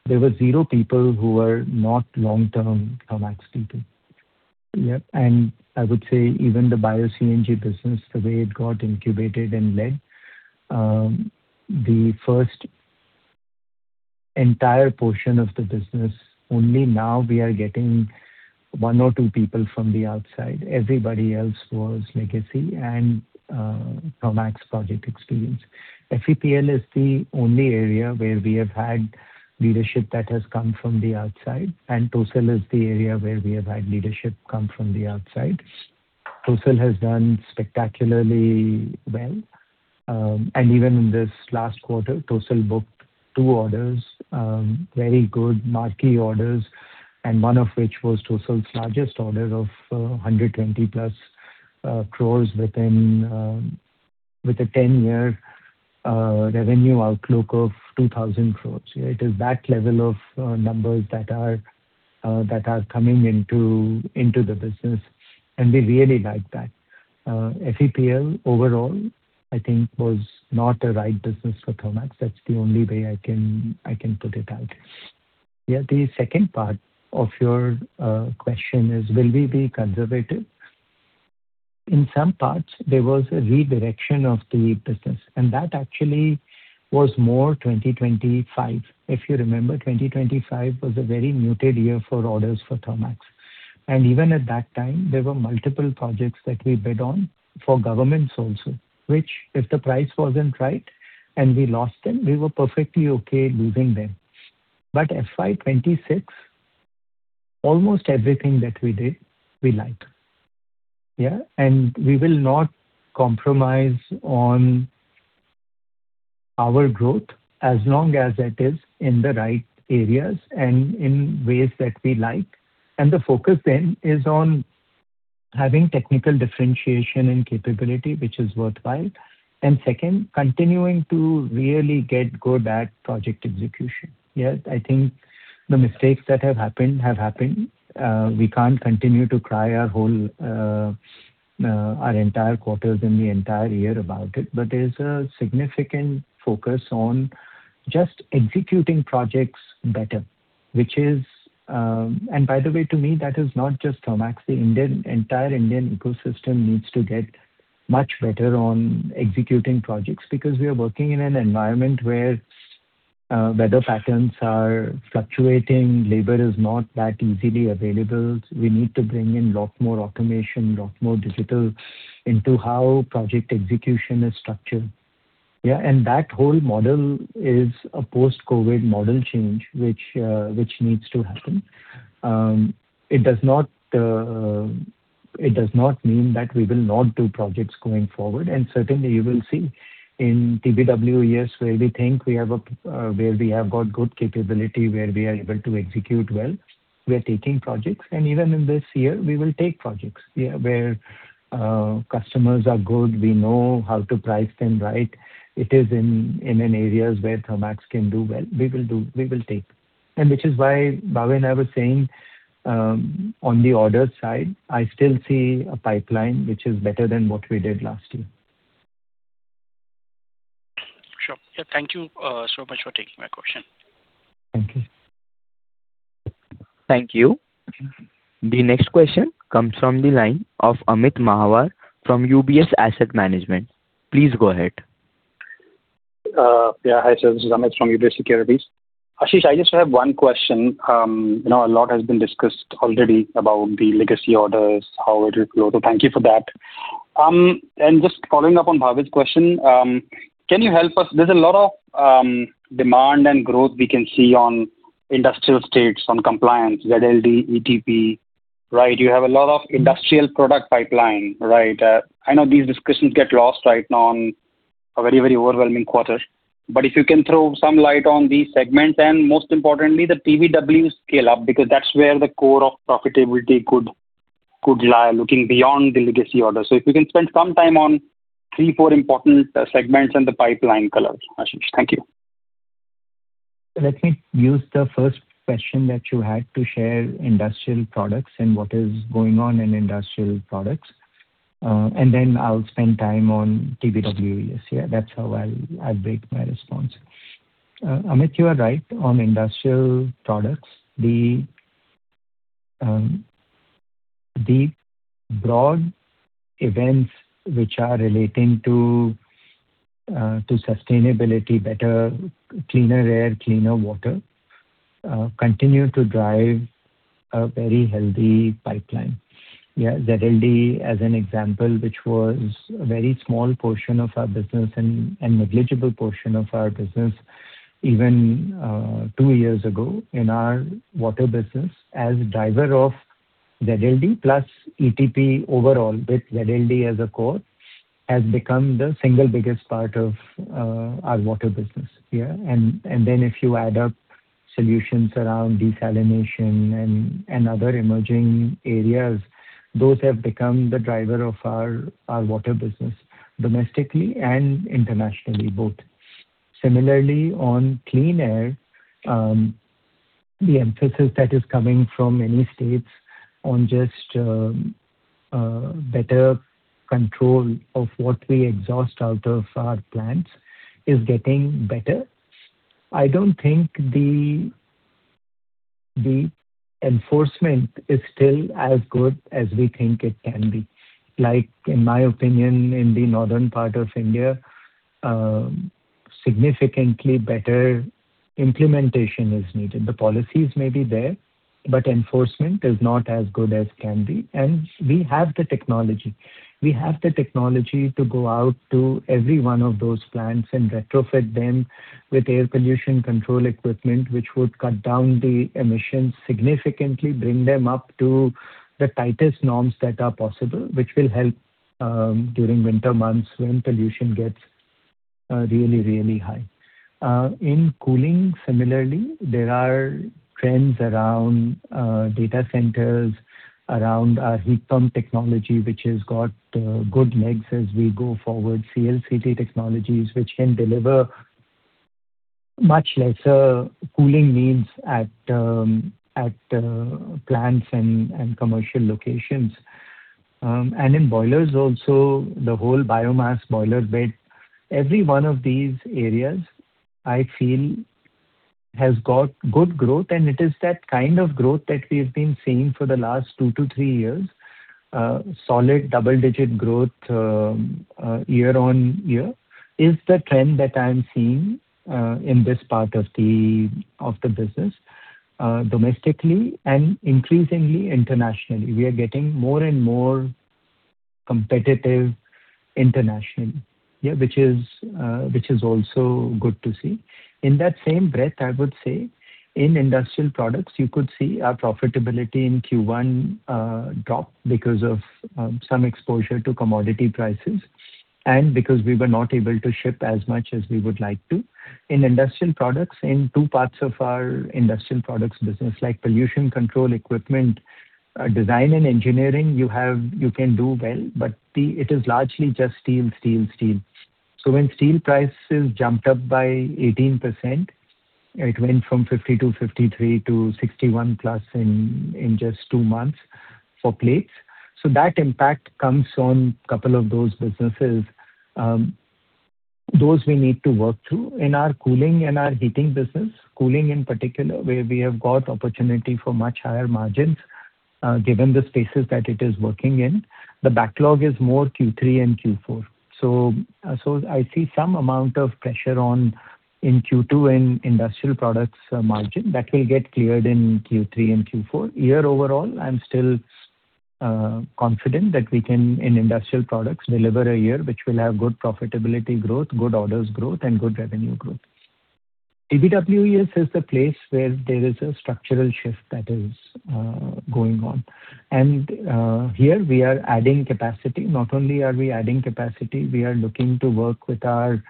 there were zero people who were not long-term Thermax people. Yeah. I would say even the Bio-CNG business, the way it got incubated and led, the first entire portion of the business, only now we are getting one or two people from the outside. Everybody else was legacy and Thermax project experience. FEPL is the only area where we have had leadership that has come from the outside. TOSIL is the area where we have had leadership come from the outside. TOSIL has done spectacularly well. Even in this last quarter, TOSIL booked two orders, very good marquee orders, and one of which was TOSIL's largest order of 120+ crore with a 10-year A revenue outlook of 2,000 crore. It is that level of numbers that are coming into the business. We really like that. FEPL overall, I think was not the right business for Thermax. That's the only way I can put it out. The second part of your question is, will we be conservative? In some parts, there was a redirection of the business. That actually was more 2025. If you remember, 2025 was a very muted year for orders for Thermax. Even at that time, there were multiple projects that we bid on for governments also, which if the price wasn't right and we lost them, we were perfectly okay losing them. fiscal year 2026, almost everything that we did, we liked. We will not compromise on our growth as long as it is in the right areas and in ways that we like. The focus then is on having technical differentiation and capability, which is worthwhile. Second, continuing to really get good at project execution. I think the mistakes that have happened, have happened. We can't continue to cry our entire quarters and the entire year about it. There's a significant focus on just executing projects better. By the way, to me, that is not just Thermax. The entire Indian ecosystem needs to get much better on executing projects, because we are working in an environment where weather patterns are fluctuating, labor is not that easily available. We need to bring in lot more automation, lot more digital into how project execution is structured. That whole model is a post-COVID model change, which needs to happen. It does not mean that we will not do projects going forward. Certainly, you will see in TBWES where we think we have got good capability, where we are able to execute well, we are taking projects. Even in this year, we will take projects where customers are good, we know how to price them right. It is in areas where Thermax can do well. We will take. Which is why Bhavin and I were saying on the order side, I still see a pipeline which is better than what we did last year. Sure. Thank you so much for taking my question. Thank you. Thank you. The next question comes from the line of Amit Mahawar from UBS Asset Management. Please go ahead. Yeah. Hi, sir. This is Amit from UBS Securities. Ashish, I just have one question. A lot has been discussed already about the legacy orders, how it will go. Thank you for that. Just following up on Bhavin's question, can you help us? There's a lot of demand and growth we can see on industrial estates, on compliance, ZLD, ETP, right? You have a lot of industrial product pipeline, right? I know these discussions get lost right now on a very overwhelming quarter. If you can throw some light on these segments and most importantly, the TBW scale up, because that's where the core of profitability could lie looking beyond the legacy orders. If you can spend some time on three, four important segments and the pipeline colors, Ashish. Thank you. Let me use the first question that you had to share industrial products and what is going on in industrial products, then I'll spend time on TBWES. That's how I'll break my response. Amit, you are right on industrial products. The broad events which are relating to sustainability, better, cleaner air, cleaner water, continue to drive a very healthy pipeline. ZLD as an example, which was a very small portion of our business and negligible portion of our business even two years ago in our water business as driver of ZLD plus ETP overall with ZLD as a core, has become the single biggest part of our water business. Then if you add up solutions around desalination and other emerging areas, those have become the driver of our water business domestically and internationally, both. Similarly, on clean air, the emphasis that is coming from many states on just better control of what we exhaust out of our plants is getting better. I don't think the enforcement is still as good as we think it can be. Like, in my opinion, in the northern part of India, significantly better implementation is needed. The policies may be there, but enforcement is not as good as can be. We have the technology. We have the technology to go out to every one of those plants and retrofit them with air pollution control equipment, which would cut down the emissions significantly, bring them up to the tightest norms that are possible, which will help during winter months when pollution gets really, really high. In cooling, similarly, there are trends around data centers, around our heat pump technology, which has got good legs as we go forward. CLCT technologies, which can deliver much lesser cooling needs at plants and commercial locations. In boilers also, the whole biomass boiler bit, every one of these areas, I feel, has got good growth. It is that kind of growth that we've been seeing for the last two to three years. Solid double-digit growth year-on-year is the trend that I'm seeing in this part of the business domestically and increasingly internationally. We are getting more and more competitive internationally, which is also good to see. In that same breath, I would say in industrial products, you could see our profitability in Q1 drop because of some exposure to commodity prices and because we were not able to ship as much as we would like to. In industrial products, in two parts of our industrial products business, like pollution control equipment, design and engineering, you can do well, but it is largely just steel. When steel prices jumped up by 18%, it went from 52%, 53%-61%+ in just two months for plates. That impact comes on couple of those businesses. Those we need to work through. In our cooling and our heating business, cooling in particular, where we have got opportunity for much higher margins, given the spaces that it is working in, the backlog is more Q3 and Q4. I see some amount of pressure in Q2 in industrial products margin that will get cleared in Q3 and Q4. Year overall, I'm still confident that we can, in industrial products, deliver a year which will have good profitability growth, good orders growth, and good revenue growth. TBWES is the place where there is a structural shift that is going on. Here we are adding capacity. Not only are we adding capacity, we are looking to work with our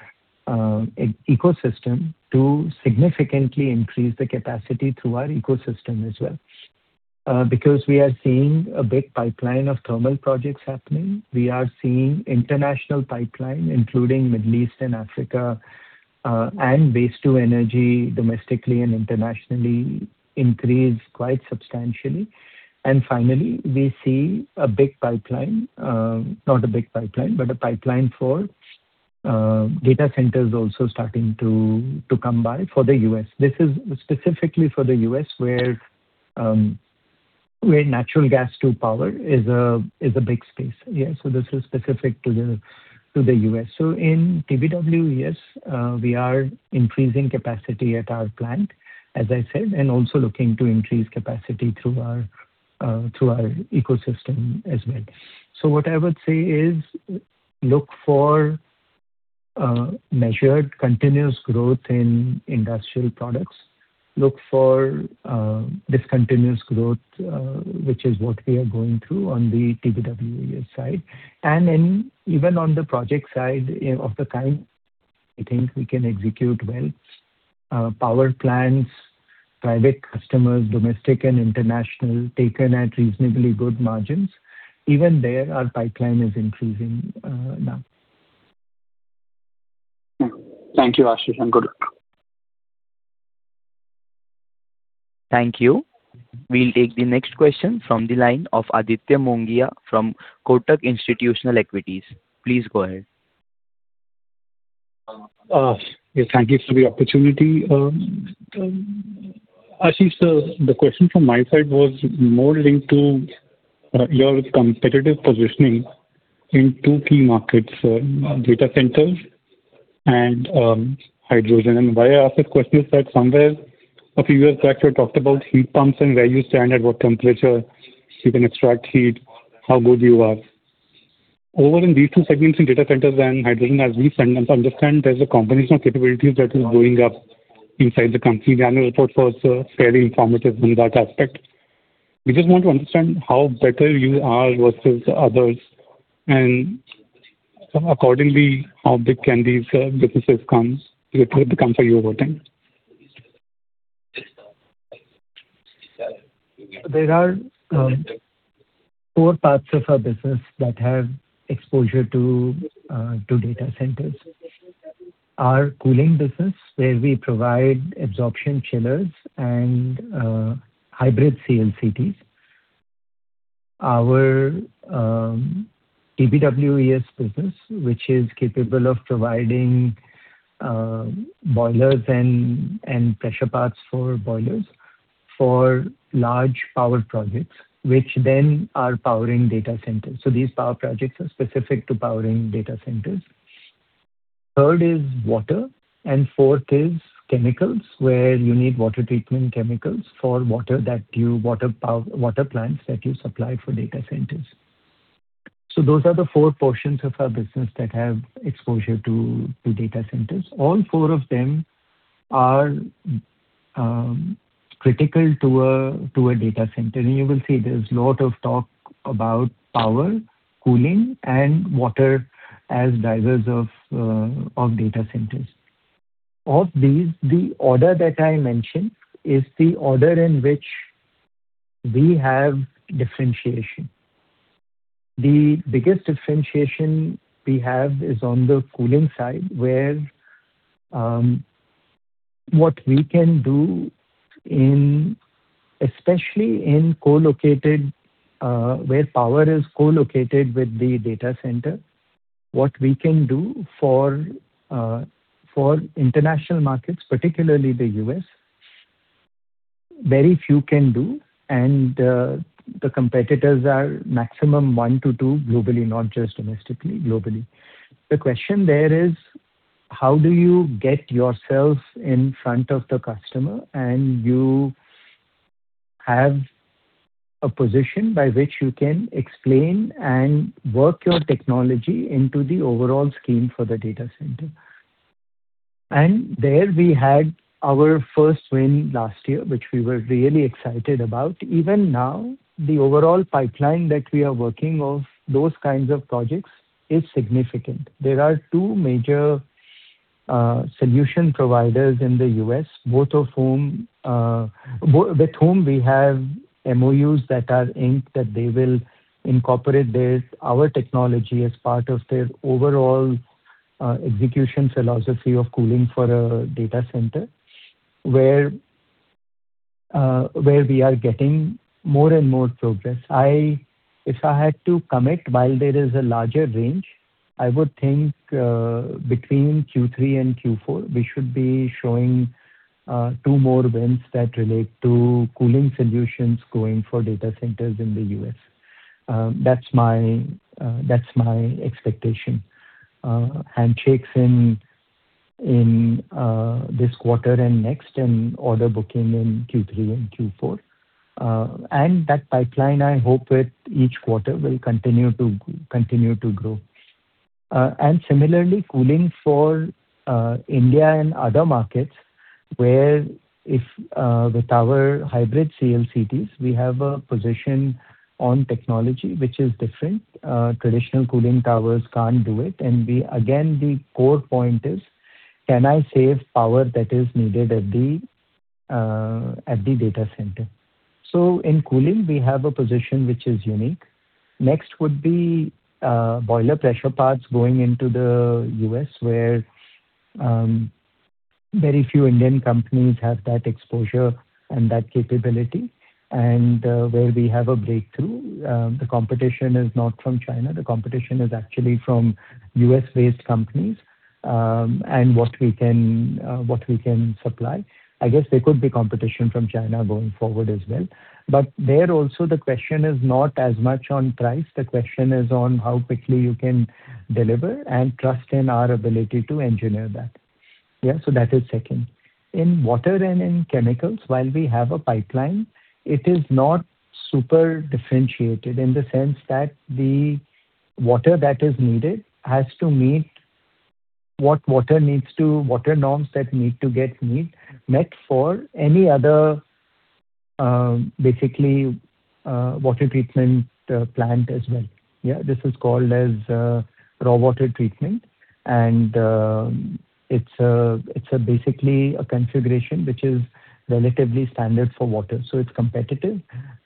ecosystem to significantly increase the capacity through our ecosystem as well. We are seeing a big pipeline of thermal projects happening. We are seeing international pipeline, including Middle East and Africa, and waste to energy domestically and internationally increase quite substantially. Finally, we see a big pipeline, not a big pipeline, but a pipeline for data centers also starting to come by for the U.S. This is specifically for the U.S., where natural gas to power is a big space. This is specific to the U.S. In TBWES, we are increasing capacity at our plant, as I said, and also looking to increase capacity through our ecosystem as well. What I would say is look for measured continuous growth in industrial products. Look for discontinuous growth, which is what we are going through on the TBWES side. Even on the project side of the kind I think we can execute well, power plants, private customers, domestic and international, taken at reasonably good margins. Even there, our pipeline is increasing now. Thank you, Ashish, and good luck. Thank you. We'll take the next question from the line of Aditya Mongia from Kotak Institutional Equities. Please go ahead. Yes, thank you for the opportunity. Ashish, the question from my side was more linked to your competitive positioning in two key markets, data centers and hydrogen. Why I ask this question is that somewhere a few years back, you had talked about heat pumps and where you stand, at what temperature you can extract heat, how good you are. Over in these two segments, in data centers and hydrogen, as we understand, there's a combination of capabilities that is going up inside the company. The annual report was fairly informative in that aspect. We just want to understand how better you are versus others, and accordingly, how big can these businesses become for you over time? There are four parts of our business that have exposure to data centers. Our cooling business, where we provide absorption chillers and Hybrid CLCTs. Our TBWES business, which is capable of providing boilers and pressure parts for boilers for large power projects, which then are powering data centers. These power projects are specific to powering data centers. Third is water, and fourth is chemicals, where you need water treatment chemicals for water plants that you supply for data centers. Those are the four portions of our business that have exposure to data centers. All four of them are critical to a data center. You will see there's lot of talk about power, cooling, and water as drivers of data centers. Of these, the order that I mentioned is the order in which we have differentiation. The biggest differentiation we have is on the cooling side, where what we can do, especially where power is co-located with the data center, what we can do for international markets, particularly the U.S., very few can do and the competitors are maximum one to two globally, not just domestically, globally. The question there is how do you get yourself in front of the customer and you have a position by which you can explain and work your technology into the overall scheme for the data center? There we had our first win last year, which we were really excited about. Even now, the overall pipeline that we are working of those kinds of projects is significant. There are two major solution providers in the U.S., with whom we have MOUs that are inked that they will incorporate our technology as part of their overall execution philosophy of cooling for a data center, where we are getting more and more progress. If I had to commit, while there is a larger range, I would think between Q3 and Q4, we should be showing two more wins that relate to cooling solutions going for data centers in the U.S. That's my expectation. Handshakes in this quarter and next and order booking in Q3 and Q4. That pipeline, I hope with each quarter will continue to grow. Similarly, cooling for India and other markets where if with our Hybrid CLCTs, we have a position on technology which is different. Traditional cooling towers can't do it. Again, the core point is can I save power that is needed at the data center? In cooling we have a position which is unique. Next would be boiler pressure parts going into the U.S. where very few Indian companies have that exposure and that capability and where we have a breakthrough. The competition is not from China. The competition is actually from U.S.-based companies, and what we can supply. I guess there could be competition from China going forward as well. There also the question is not as much on price. The question is on how quickly you can deliver and trust in our ability to engineer that. Yeah, that is second. In water and in chemicals, while we have a pipeline, it is not super differentiated in the sense that the water that is needed has to meet what water norms that need to get met for any other, basically, water treatment plant as well. Yeah. This is called as raw water treatment and it's a basically a configuration which is relatively standard for water, so it's competitive.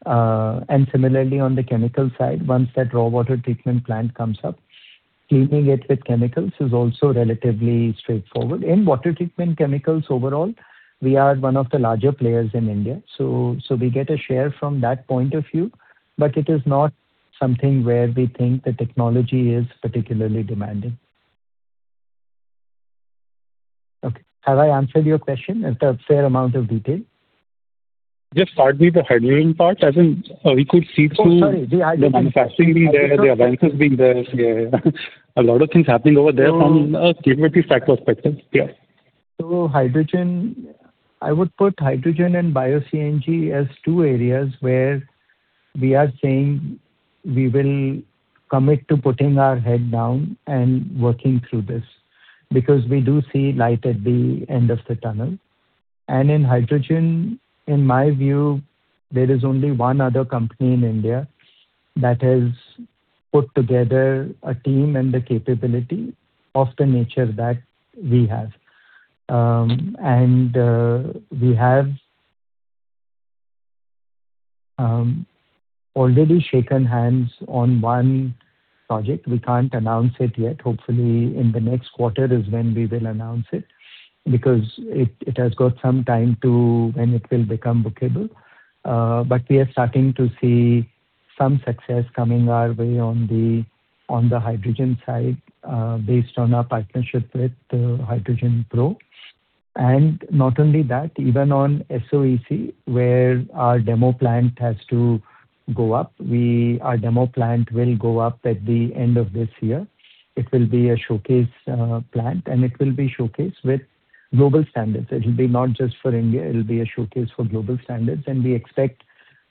Similarly on the chemical side, once that raw water treatment plant comes up, cleaning it with chemicals is also relatively straightforward. In water treatment chemicals overall, we are one of the larger players in India, so we get a share from that point of view, but it is not something where we think the technology is particularly demanding. Okay. Have I answered your question at a fair amount of detail? Just partly the hydrogen part, as in we could see. Oh, sorry. The hydrogen part. the manufacturing being there, the advances being there. Yeah. A lot of things happening over there from a capability factor perspective. Yeah. I would put hydrogen and Bio-CNG as two areas where we are saying we will commit to putting our head down and working through this because we do see light at the end of the tunnel. In hydrogen, in my view, there is only one other company in India that has put together a team and the capability of the nature that we have. We have already shaken hands on one project. We can't announce it yet. Hopefully, in the next quarter is when we will announce it because it has got some time to when it will become bookable. We are starting to see some success coming our way on the hydrogen side based on our partnership with HydrogenPro. Not only that, even on SOEC where our demo plant has to go up, our demo plant will go up at the end of this year. It will be a showcase plant and it will be showcased with global standards. It'll be not just for India, it'll be a showcase for global standards and we expect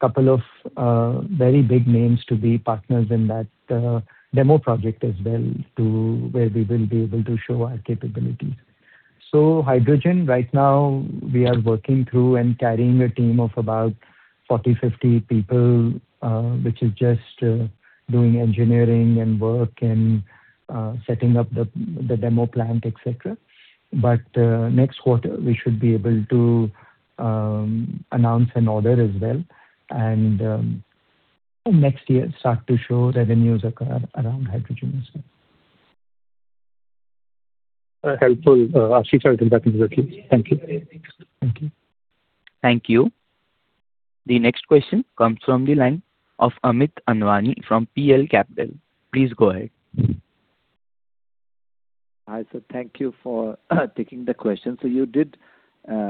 couple of very big names to be partners in that demo project as well where we will be able to show our capabilities. Hydrogen right now we are working through and carrying a team of about 40, 50 people which is just doing engineering and work and setting up the demo plant, et cetera. Next quarter we should be able to announce an order as well, and next year start to show revenues around hydrogen as well. Helpful. Ashish will come back into the queue. Thank you. Thank you. Thank you. The next question comes from the line of Amit Anwani from PL Capital. Please go ahead. You did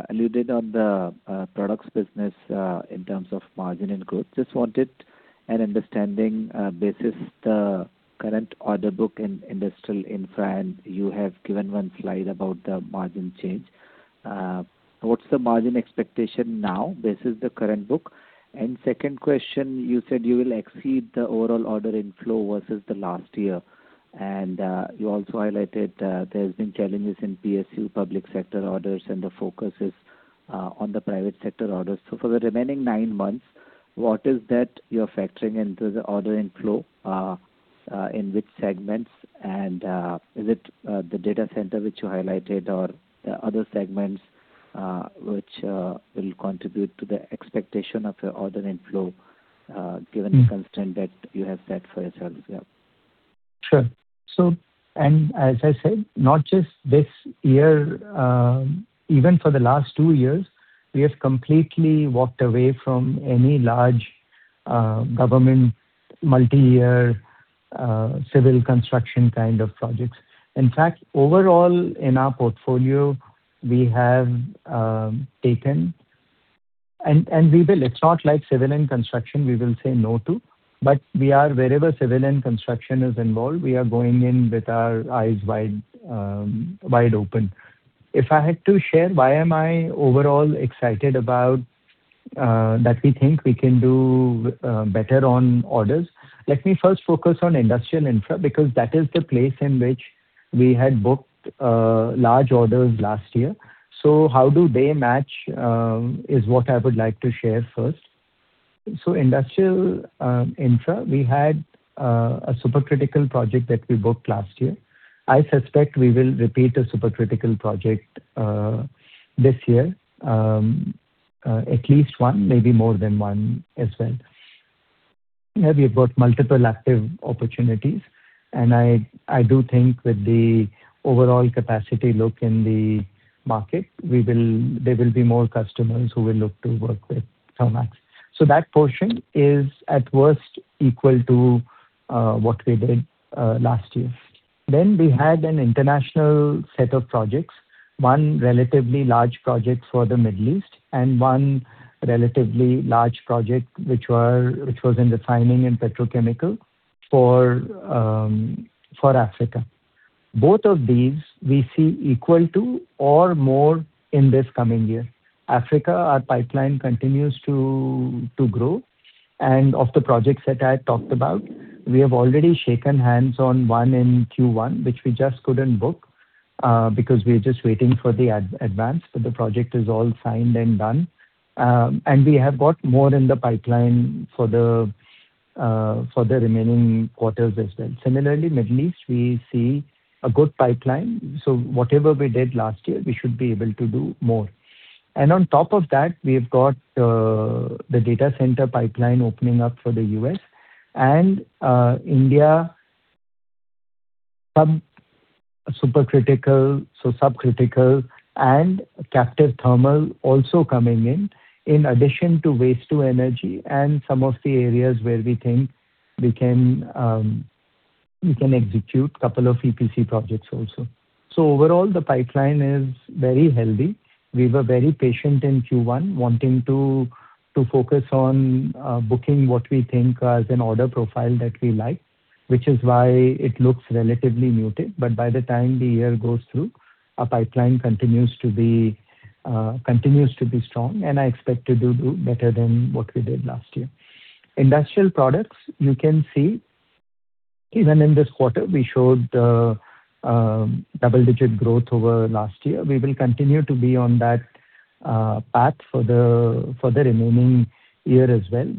allude on the products business in terms of margin and growth. Just wanted an understanding basis the current order book in industrial infra, and you have given one slide about the margin change. What's the margin expectation now versus the current book? Second question, you said you will exceed the overall order inflow versus the last year, and you also highlighted there's been challenges in PSU public sector orders and the focus is on the private sector orders. For the remaining nine months, what is that you're factoring into the order inflow? In which segments? Is it the data center which you highlighted or other segments which will contribute to the expectation of your order inflow, given the constraint that you have set for yourselves? Sure. As I said, not just this year, even for the last two years, we have completely walked away from any large government multi-year civil construction kind of projects. In fact, overall in our portfolio, we will. It's not like civil and construction we will say no to, but wherever civil and construction is involved, we are going in with our eyes wide open. If I had to share why am I overall excited about that we think we can do better on orders, let me first focus on industrial infra, because that is the place in which we had booked large orders last year. How do they match is what I would like to share first. Industrial infra, we had a supercritical project that we booked last year. I suspect we will repeat a supercritical project this year. At least one, maybe more than one as well. We've got multiple active opportunities, and I do think with the overall capacity look in the market, there will be more customers who will look to work with Thermax. That portion is at worst equal to what we did last year. We had an international set of projects, one relatively large project for the Middle East and one relatively large project, which was in refining and petrochemical for Africa. Both of these we see equal to or more in this coming year. Africa, our pipeline continues to grow. Of the projects that I talked about, we have already shaken hands on one in Q1, which we just couldn't book because we're just waiting for the advance. The project is all signed and done. We have got more in the pipeline for the remaining quarters as well. Similarly, Middle East, we see a good pipeline. Whatever we did last year, we should be able to do more. On top of that, we've got the data center pipeline opening up for the U.S. and India, some supercritical, subcritical and captive thermal also coming in addition to waste to energy and some of the areas where we think we can execute couple of EPC projects also. Overall, the pipeline is very healthy. We were very patient in Q1 wanting to focus on booking what we think as an order profile that we like, which is why it looks relatively muted. By the time the year goes through, our pipeline continues to be strong, and I expect to do better than what we did last year. Industrial products, you can see even in this quarter we showed double-digit growth over last year. We will continue to be on that path for the remaining year as well.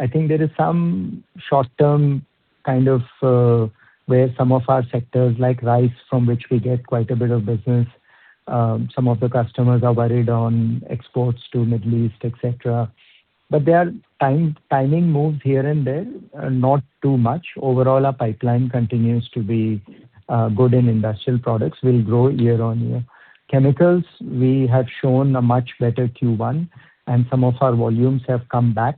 I think there is some short-term kind of where some of our sectors, like Rice, from which we get quite a bit of business, some of the customers are worried on exports to Middle East, et cetera. There are timing moves here and there, not too much. Overall, our pipeline continues to be good in industrial products, will grow year on year. Chemicals, we have shown a much better Q1, and some of our volumes have come back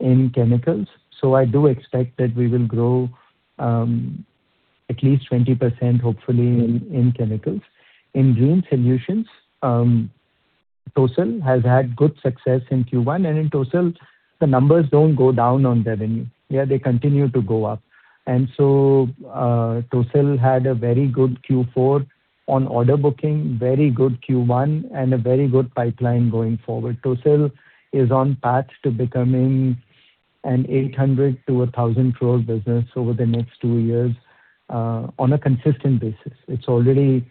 in chemicals. I do expect that we will grow at least 20%, hopefully, in chemicals. In Green Solutions, TOSIL has had good success in Q1, and in TOSIL, the numbers don't go down on revenue. Yeah, they continue to go up. TOSIL had a very good Q4 on order booking, very good Q1, and a very good pipeline going forward. TOSIL is on path to becoming an 800 crore-1,000 crore business over the next two years on a consistent basis. It's already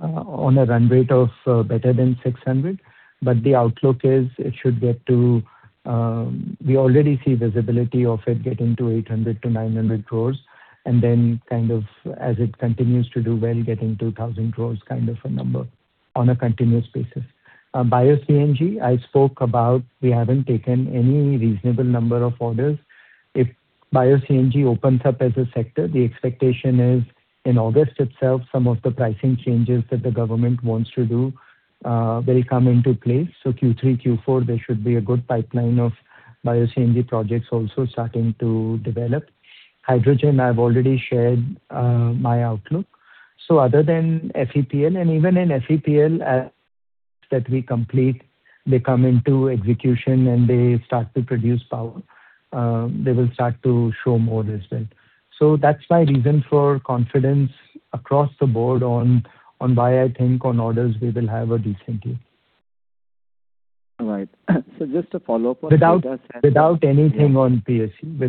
on a run rate of better than 600 crore. The outlook is we already see visibility of it getting to 800 crore-900 crore, and then as it continues to do well, getting to 1,000 crore kind of a number on a continuous basis. Bio-CNG, I spoke about, we haven't taken any reasonable number of orders. If Bio-CNG opens up as a sector, the expectation is in August itself, some of the pricing changes that the government wants to do, they come into place. Q3, Q4, there should be a good pipeline of Bio-CNG projects also starting to develop. Hydrogen, I've already shared my outlook. Other than FEPL, and even in FEPL, as that we complete, they come into execution and they start to produce power. They will start to show more results. That's my reason for confidence across the board on why I think on orders we will have a decent year. All right. Just a follow-up on data center. Without anything on PSE.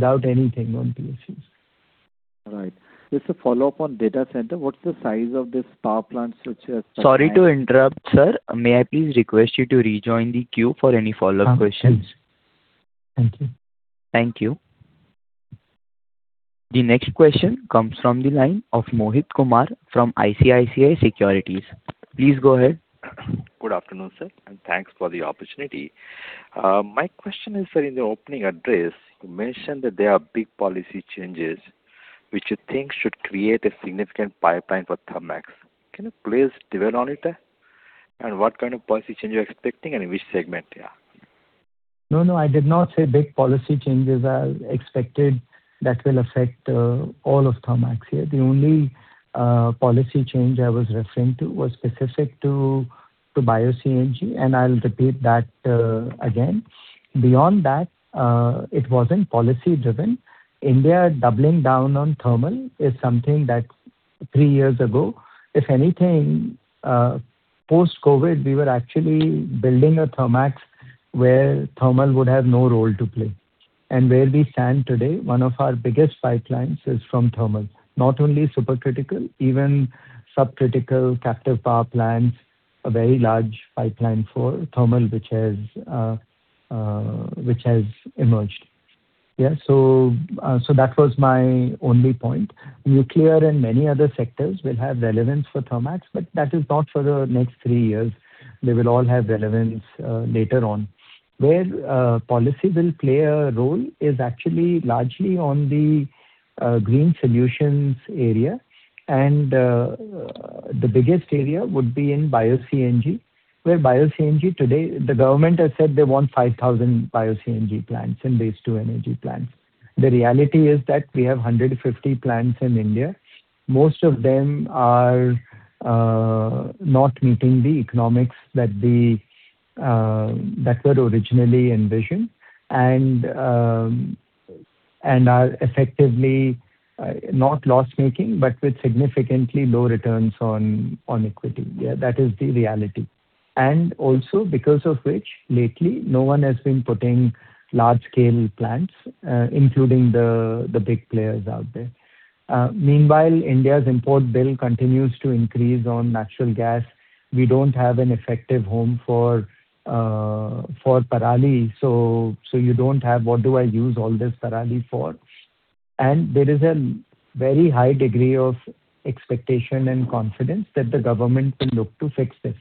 All right. Just a follow-up on data center. What's the size of this power plant switch that. Sorry to interrupt, sir. May I please request you to rejoin the queue for any follow-up questions? Thank you. Thank you. The next question comes from the line of Mohit Kumar from ICICI Securities. Please go ahead. Good afternoon, sir. Thanks for the opportunity. My question is, sir, in the opening address, you mentioned that there are big policy changes which you think should create a significant pipeline for Thermax. Can you please dwell on it? What kind of policy change you're expecting, and in which segment they are? No, I did not say big policy changes are expected that will affect all of Thermax. The only policy change I was referring to was specific to Bio-CNG, I'll repeat that again. Beyond that, it wasn't policy-driven. India doubling down on thermal is something that three years ago, if anything, post-COVID, we were actually building a Thermax where thermal would have no role to play. Where we stand today, one of our biggest pipelines is from thermal. Not only super critical, even sub-critical captive power plants, a very large pipeline for thermal, which has emerged. That was my only point. Nuclear and many other sectors will have relevance for Thermax, but that is not for the next three years. They will all have relevance later on. Where policy will play a role is actually largely on the green solutions area. The biggest area would be in Bio-CNG, where Bio-CNG today, the government has said they want 5,000 Bio-CNG plants and waste to energy plants. The reality is that we have 150 plants in India. Most of them are not meeting the economics that were originally envisioned, and are effectively not loss-making, but with significantly low returns on equity. That is the reality. Also because of which, lately, no one has been putting large-scale plants, including the big players out there. Meanwhile, India's import bill continues to increase on natural gas. We don't have an effective home for parali. You don't have, what do I use all this parali for? There is a very high degree of expectation and confidence that the government will look to fix this.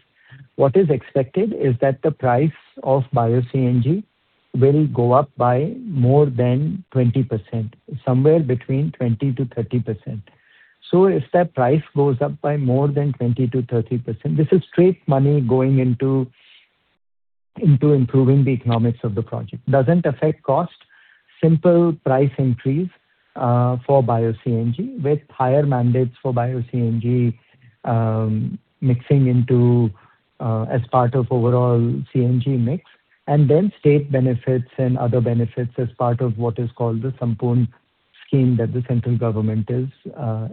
What is expected is that the price of Bio-CNG will go up by more than 20%, somewhere between 20%-30%. If that price goes up by more than 20%-30%, this is straight money going into improving the economics of the project. Doesn't affect cost. Simple price increase for Bio-CNG with higher mandates for Bio-CNG, mixing into as part of overall CNG mix, and then state benefits and other benefits as part of what is called the Sampoorna scheme that the central government is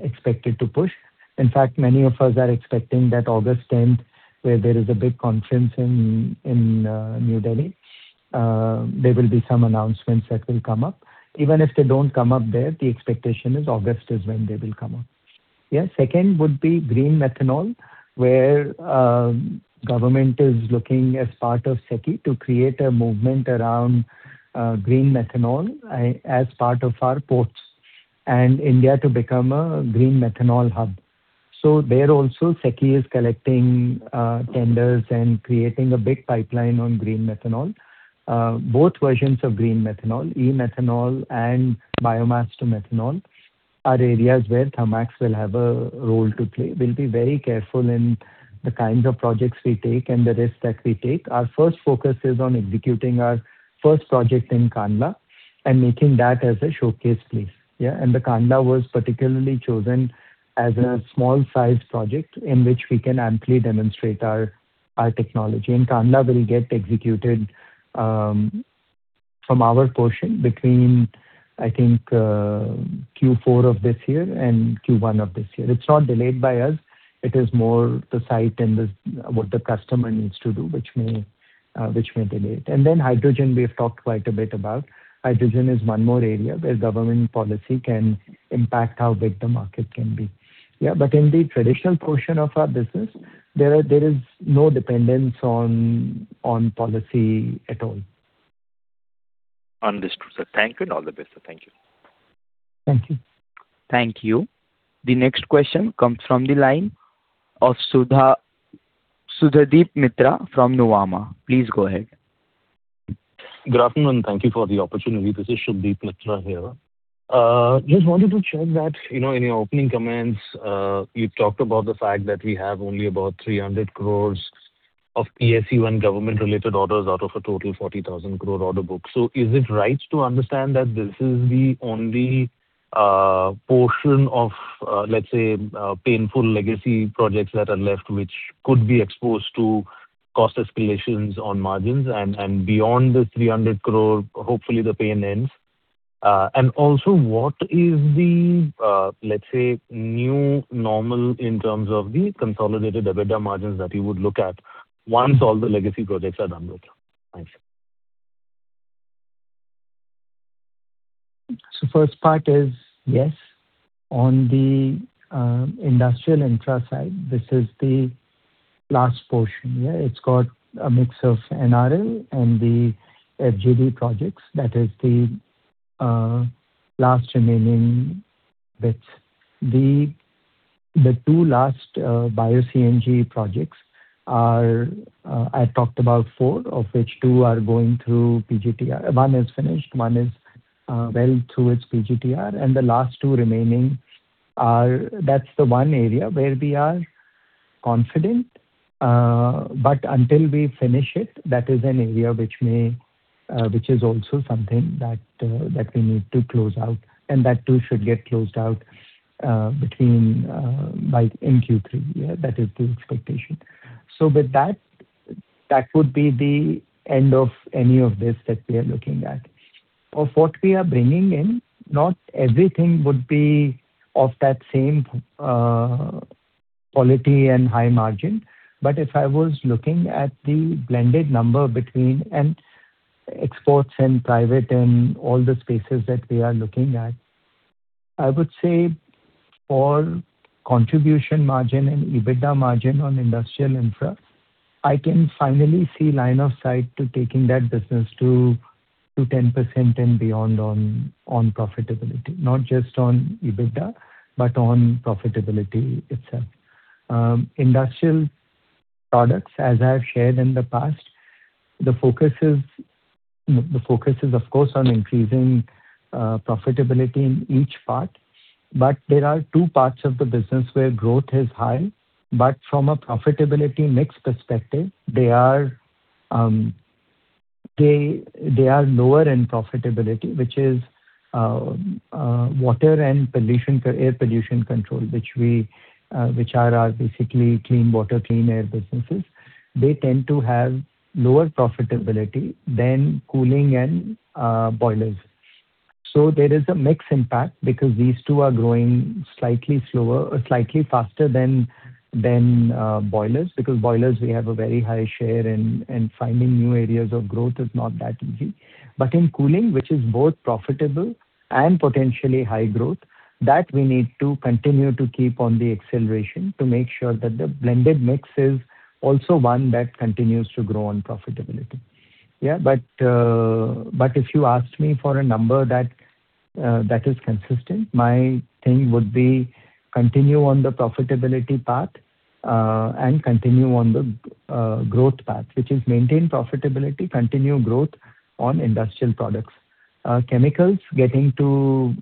expected to push. In fact, many of us are expecting that August 10th, where there is a big conference in New Delhi, there will be some announcements that will come up. Even if they don't come up there, the expectation is August is when they will come up. Second would be green methanol, where government is looking as part of SECI to create a movement around green methanol as part of our ports, and India to become a green methanol hub. There also, SECI is collecting tenders and creating a big pipeline on green methanol. Both versions of green methanol, e-methanol and biomass to methanol, are areas where Thermax will have a role to play. We'll be very careful in the kinds of projects we take and the risks that we take. Our first focus is on executing our first project in Kandla and making that as a showcase piece. Kandla was particularly chosen as a small-sized project in which we can amply demonstrate our technology. Kandla will get executed from our portion between, I think, Q4 of this year and Q1 of this year. It's not delayed by us. It is more the site and what the customer needs to do, which may delay it. Then hydrogen, we have talked quite a bit about. Hydrogen is one more area where government policy can impact how big the market can be. In the traditional portion of our business, there is no dependence on policy at all. Understood, sir. Thank you and all the best, sir. Thank you. Thank you. Thank you. The next question comes from the line of Subhadip Mitra from Nuvama. Please go ahead. Good afternoon, and thank you for the opportunity. This is Subhadip Mitra here. Just wanted to check that, in your opening comments, you talked about the fact that we have only about 300 crore of PSU and government-related orders out of a total 40,000 crore order book. Is it right to understand that this is the only portion of, let's say, painful legacy projects that are left, which could be exposed to cost escalations on margins and beyond the 300 crore, hopefully, the pain ends? Also, what is the, let's say, new normal in terms of the consolidated EBITDA margins that you would look at once all the legacy projects are done with? Thanks. First part is, yes, on the industrial infra side, this is the last portion. Yeah. It's got a mix of NRL and the FGD projects. That is the last remaining bits. The two last Bio-CNG projects are, I talked about four, of which two are going through PGTR. One is finished, one is well through its PGTR, and the last two remaining are, that's the one area where we are confident. Until we finish it, that is an area which is also something that we need to close out. That too should get closed out by in Q3. Yeah. With that would be the end of any of this that we are looking at. Of what we are bringing in, not everything would be of that same quality and high margin. If I was looking at the blended number between exports and private and all the spaces that we are looking at, I would say for contribution margin and EBITDA margin on industrial infra, I can finally see line of sight to taking that business to 10% and beyond on profitability. Not just on EBITDA, but on profitability itself. Industrial products, as I've shared in the past, the focus is, of course, on increasing profitability in each part. There are two parts of the business where growth is high, but from a profitability mix perspective, they are lower in profitability, which is water and air pollution control, which are our basically clean water, clean air businesses. They tend to have lower profitability than cooling and boilers. There is a mix impact because these two are growing slightly faster than boilers, because boilers, we have a very high share, and finding new areas of growth is not that easy. In cooling, which is both profitable and potentially high growth, that we need to continue to keep on the acceleration to make sure that the blended mix is also one that continues to grow on profitability. If you asked me for a number that is consistent, my thing would be continue on the profitability path, continue on the growth path. Which is maintain profitability, continue growth on industrial products. Chemicals, getting to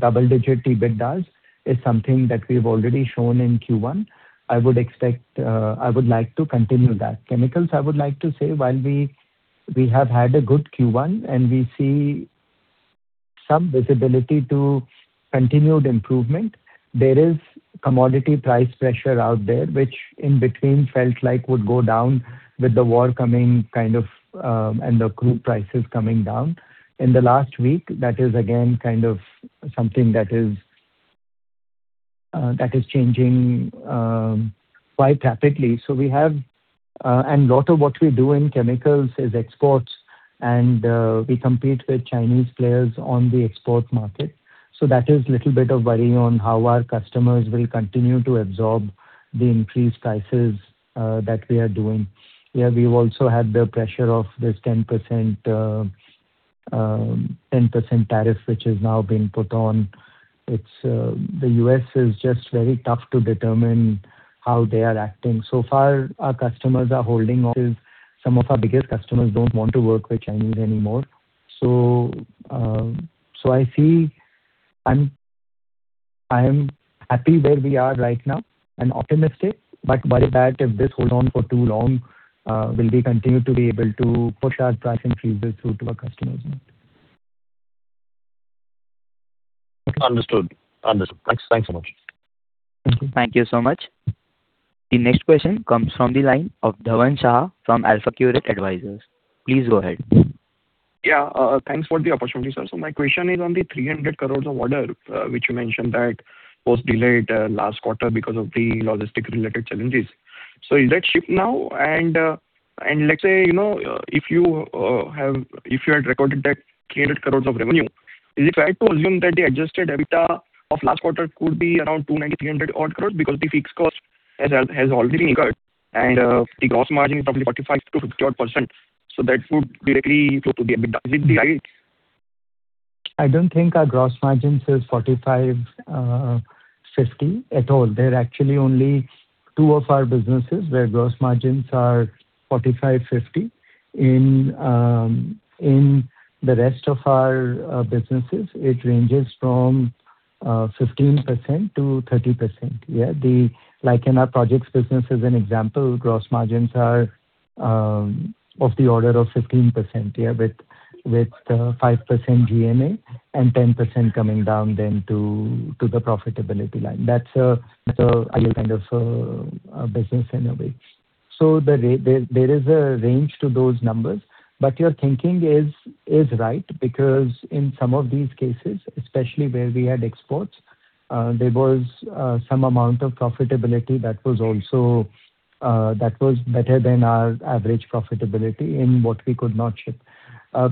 double-digit EBITDAs is something that we've already shown in Q1. I would like to continue that. Chemicals, I would like to say, while we have had a good Q1, we see some visibility to continued improvement, there is commodity price pressure out there, which in between felt like would go down with the war coming and the crude prices coming down. In the last week, that is again something that is changing quite rapidly. Lot of what we do in chemicals is exports, and we compete with Chinese players on the export market. That is little bit of worry on how our customers will continue to absorb the increased prices that we are doing. We've also had the pressure of this 10% tariff, which is now being put on. The U.S. is just very tough to determine how they are acting. Far, our customers are holding off. Some of our biggest customers don't want to work with Chinese anymore. I am happy where we are right now and optimistic. By that, if this hold on for too long, will we continue to be able to push our price increases through to our customers or not? Understood. Thanks so much. Thank you so much. The next question comes from the line of Dhavan Shah from AlfAccurate Advisors. Please go ahead. Yeah. Thanks for the opportunity, sir. My question is on the 300 crore of order, which you mentioned that was delayed last quarter because of the logistic-related challenges. Is that shipped now? Let's say, if you had recorded that 300 crore of revenue, is it fair to assume that the adjusted EBITDA of last quarter could be around 290 crore, INR 300 crore odd because the fixed cost has already incurred, and the gross margin probably 45%-50% odd, that would directly flow to the EBITDA. I don't think our gross margins is 45%-50% at all. There are actually only two of our businesses where gross margins are 45%-50%. In the rest of our businesses, it ranges from 15%-30%. Like in our projects business as an example, gross margins are of the order of 15% with 5% G&A and 10% coming down then to the profitability line. That's an ideal kind of a business in a way. There is a range to those numbers. Your thinking is right, because in some of these cases, especially where we had exports, there was some amount of profitability that was better than our average profitability in what we could not ship.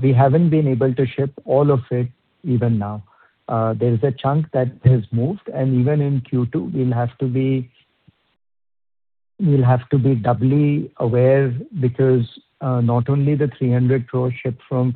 We haven't been able to ship all of it, even now. There is a chunk that has moved, even in Q2, we'll have to be doubly aware because not only the 300 crore slipped from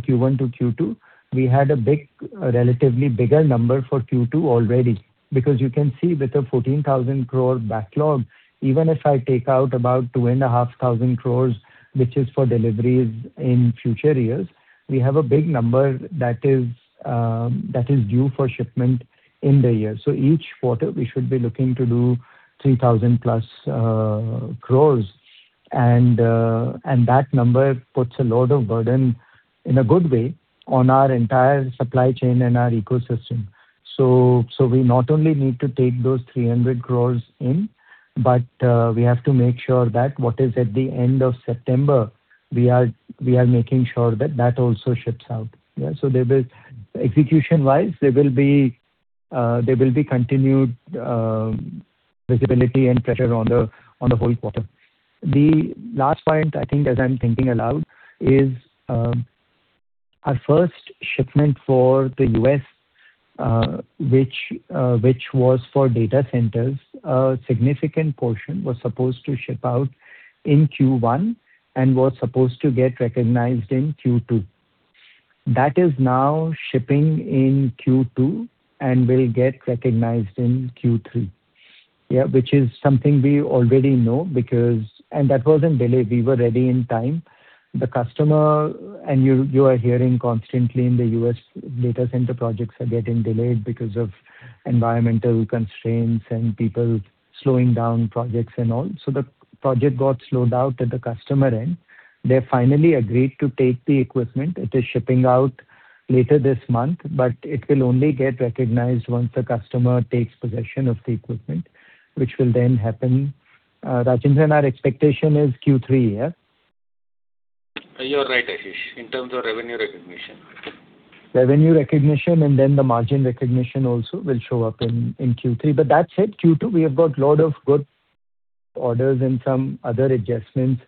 Q1 to Q2, we had a relatively bigger number for Q2 already. You can see with an 14,000 crore backlog, even if I take out about 2,500 crore, which is for deliveries in future years, we have a big number that is due for shipment in the year. Each quarter, we should be looking to do 3,000+ crore. That number puts a lot of burden, in a good way, on our entire supply chain and our ecosystem. We not only need to take those 300 crore in, but we have to make sure that what is at the end of September, we are making sure that that also ships out. Yeah. Execution-wise, there will be continued visibility and pressure on the whole quarter. The last point, I think, as I'm thinking aloud, is our first shipment for the U.S. which was for data centers, a significant portion was supposed to ship out in Q1 and was supposed to get recognized in Q2. That is now shipping in Q2 and will get recognized in Q3. Which is something we already know, and that wasn't delayed. We were ready in time. The customer, and you are hearing constantly in the U.S., data center projects are getting delayed because of environmental constraints and people slowing down projects and all. The project got slowed down at the customer end. They finally agreed to take the equipment. It is shipping out later this month, but it will only get recognized once the customer takes possession of the equipment, which will then happen. Rajendran, our expectation is Q3. You're right, Ashish, in terms of revenue recognition. Revenue recognition, and then the margin recognition also will show up in Q3. That said, Q2, we have got lot of good orders and some other adjustments,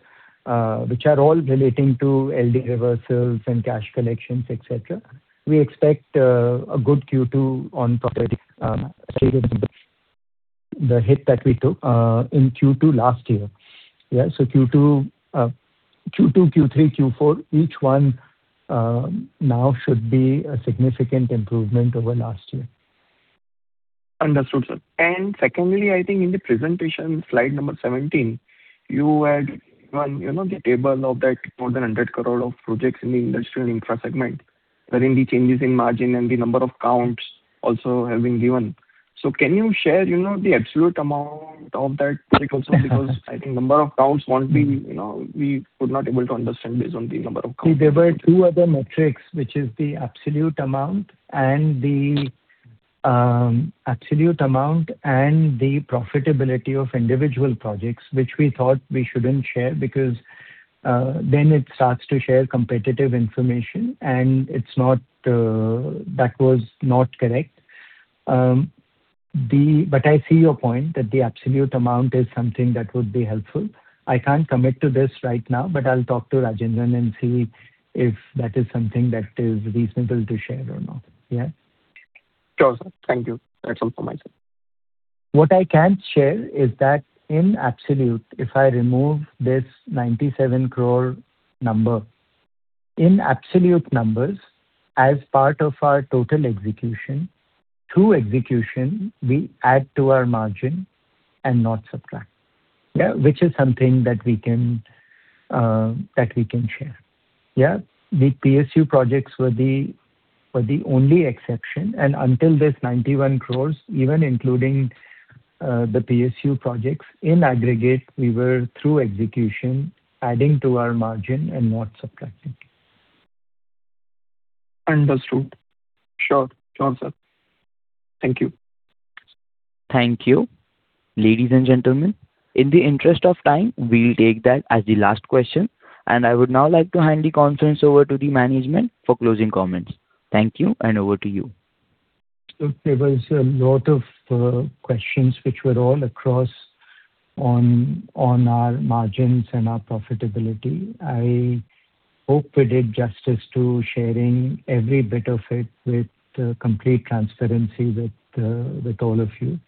which are all relating to LD reversals and cash collections, et cetera. We expect a good Q2 on top of the hit that we took in Q2 last year. Q2, Q3, Q4, each one now should be a significant improvement over last year. Understood, sir. Secondly, I think in the presentation, slide number 17, you had given the table of that more than 100 crore projects in the industrial and infra segment, wherein the changes in margin and the number of counts also have been given. Can you share the absolute amount of that project also, because I think number of counts, we would not be able to understand based on the number of counts. There were two other metrics, which is the absolute amount and the profitability of individual projects, which we thought we shouldn't share because then it starts to share competitive information, and that was not correct. I see your point that the absolute amount is something that would be helpful. I can't commit to this right now, but I'll talk to Rajendran and see if that is something that is reasonable to share or not. Yeah? Sure, sir. Thank you. That's all from my side. What I can share is that in absolute, if I remove this 97 crore number, in absolute numbers, as part of our total execution, through execution, we add to our margin and not subtract. Yeah. Which is something that we can share. Yeah. The PSU projects were the only exception. Until this 91 crore, even including the PSU projects, in aggregate, we were, through execution, adding to our margin and not subtracting. Understood. Sure. Sure, sir. Thank you. Thank you. Ladies and gentlemen, in the interest of time, we'll take that as the last question. I would now like to hand the conference over to the management for closing comments. Thank you, over to you. Look, there was a lot of questions which were all across on our margins and our profitability. I hope we did justice to sharing every bit of it with complete transparency with all of you.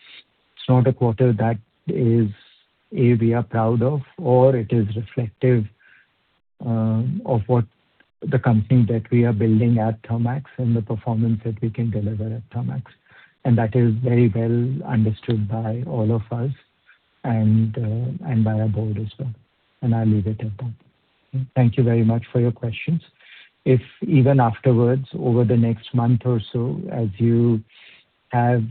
It's not a quarter that is, A, we are proud of, or it is reflective of what the company that we are building at Thermax and the performance that we can deliver at Thermax. That is very well understood by all of us and by our board as well. I'll leave it at that. Thank you very much for your questions. If even afterwards, over the next month or so, as you have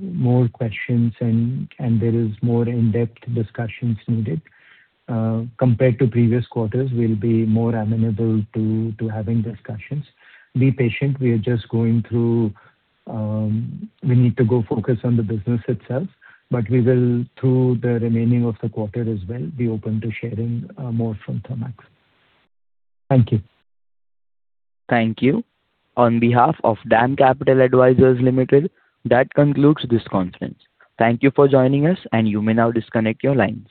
more questions and there is more in-depth discussions needed, compared to previous quarters, we'll be more amenable to having discussions. Be patient. We need to go focus on the business itself. We will, through the remaining of the quarter as well, be open to sharing more from Thermax. Thank you. Thank you. On behalf of DAM Capital Advisors Limited, that concludes this conference. Thank you for joining us, and you may now disconnect your lines.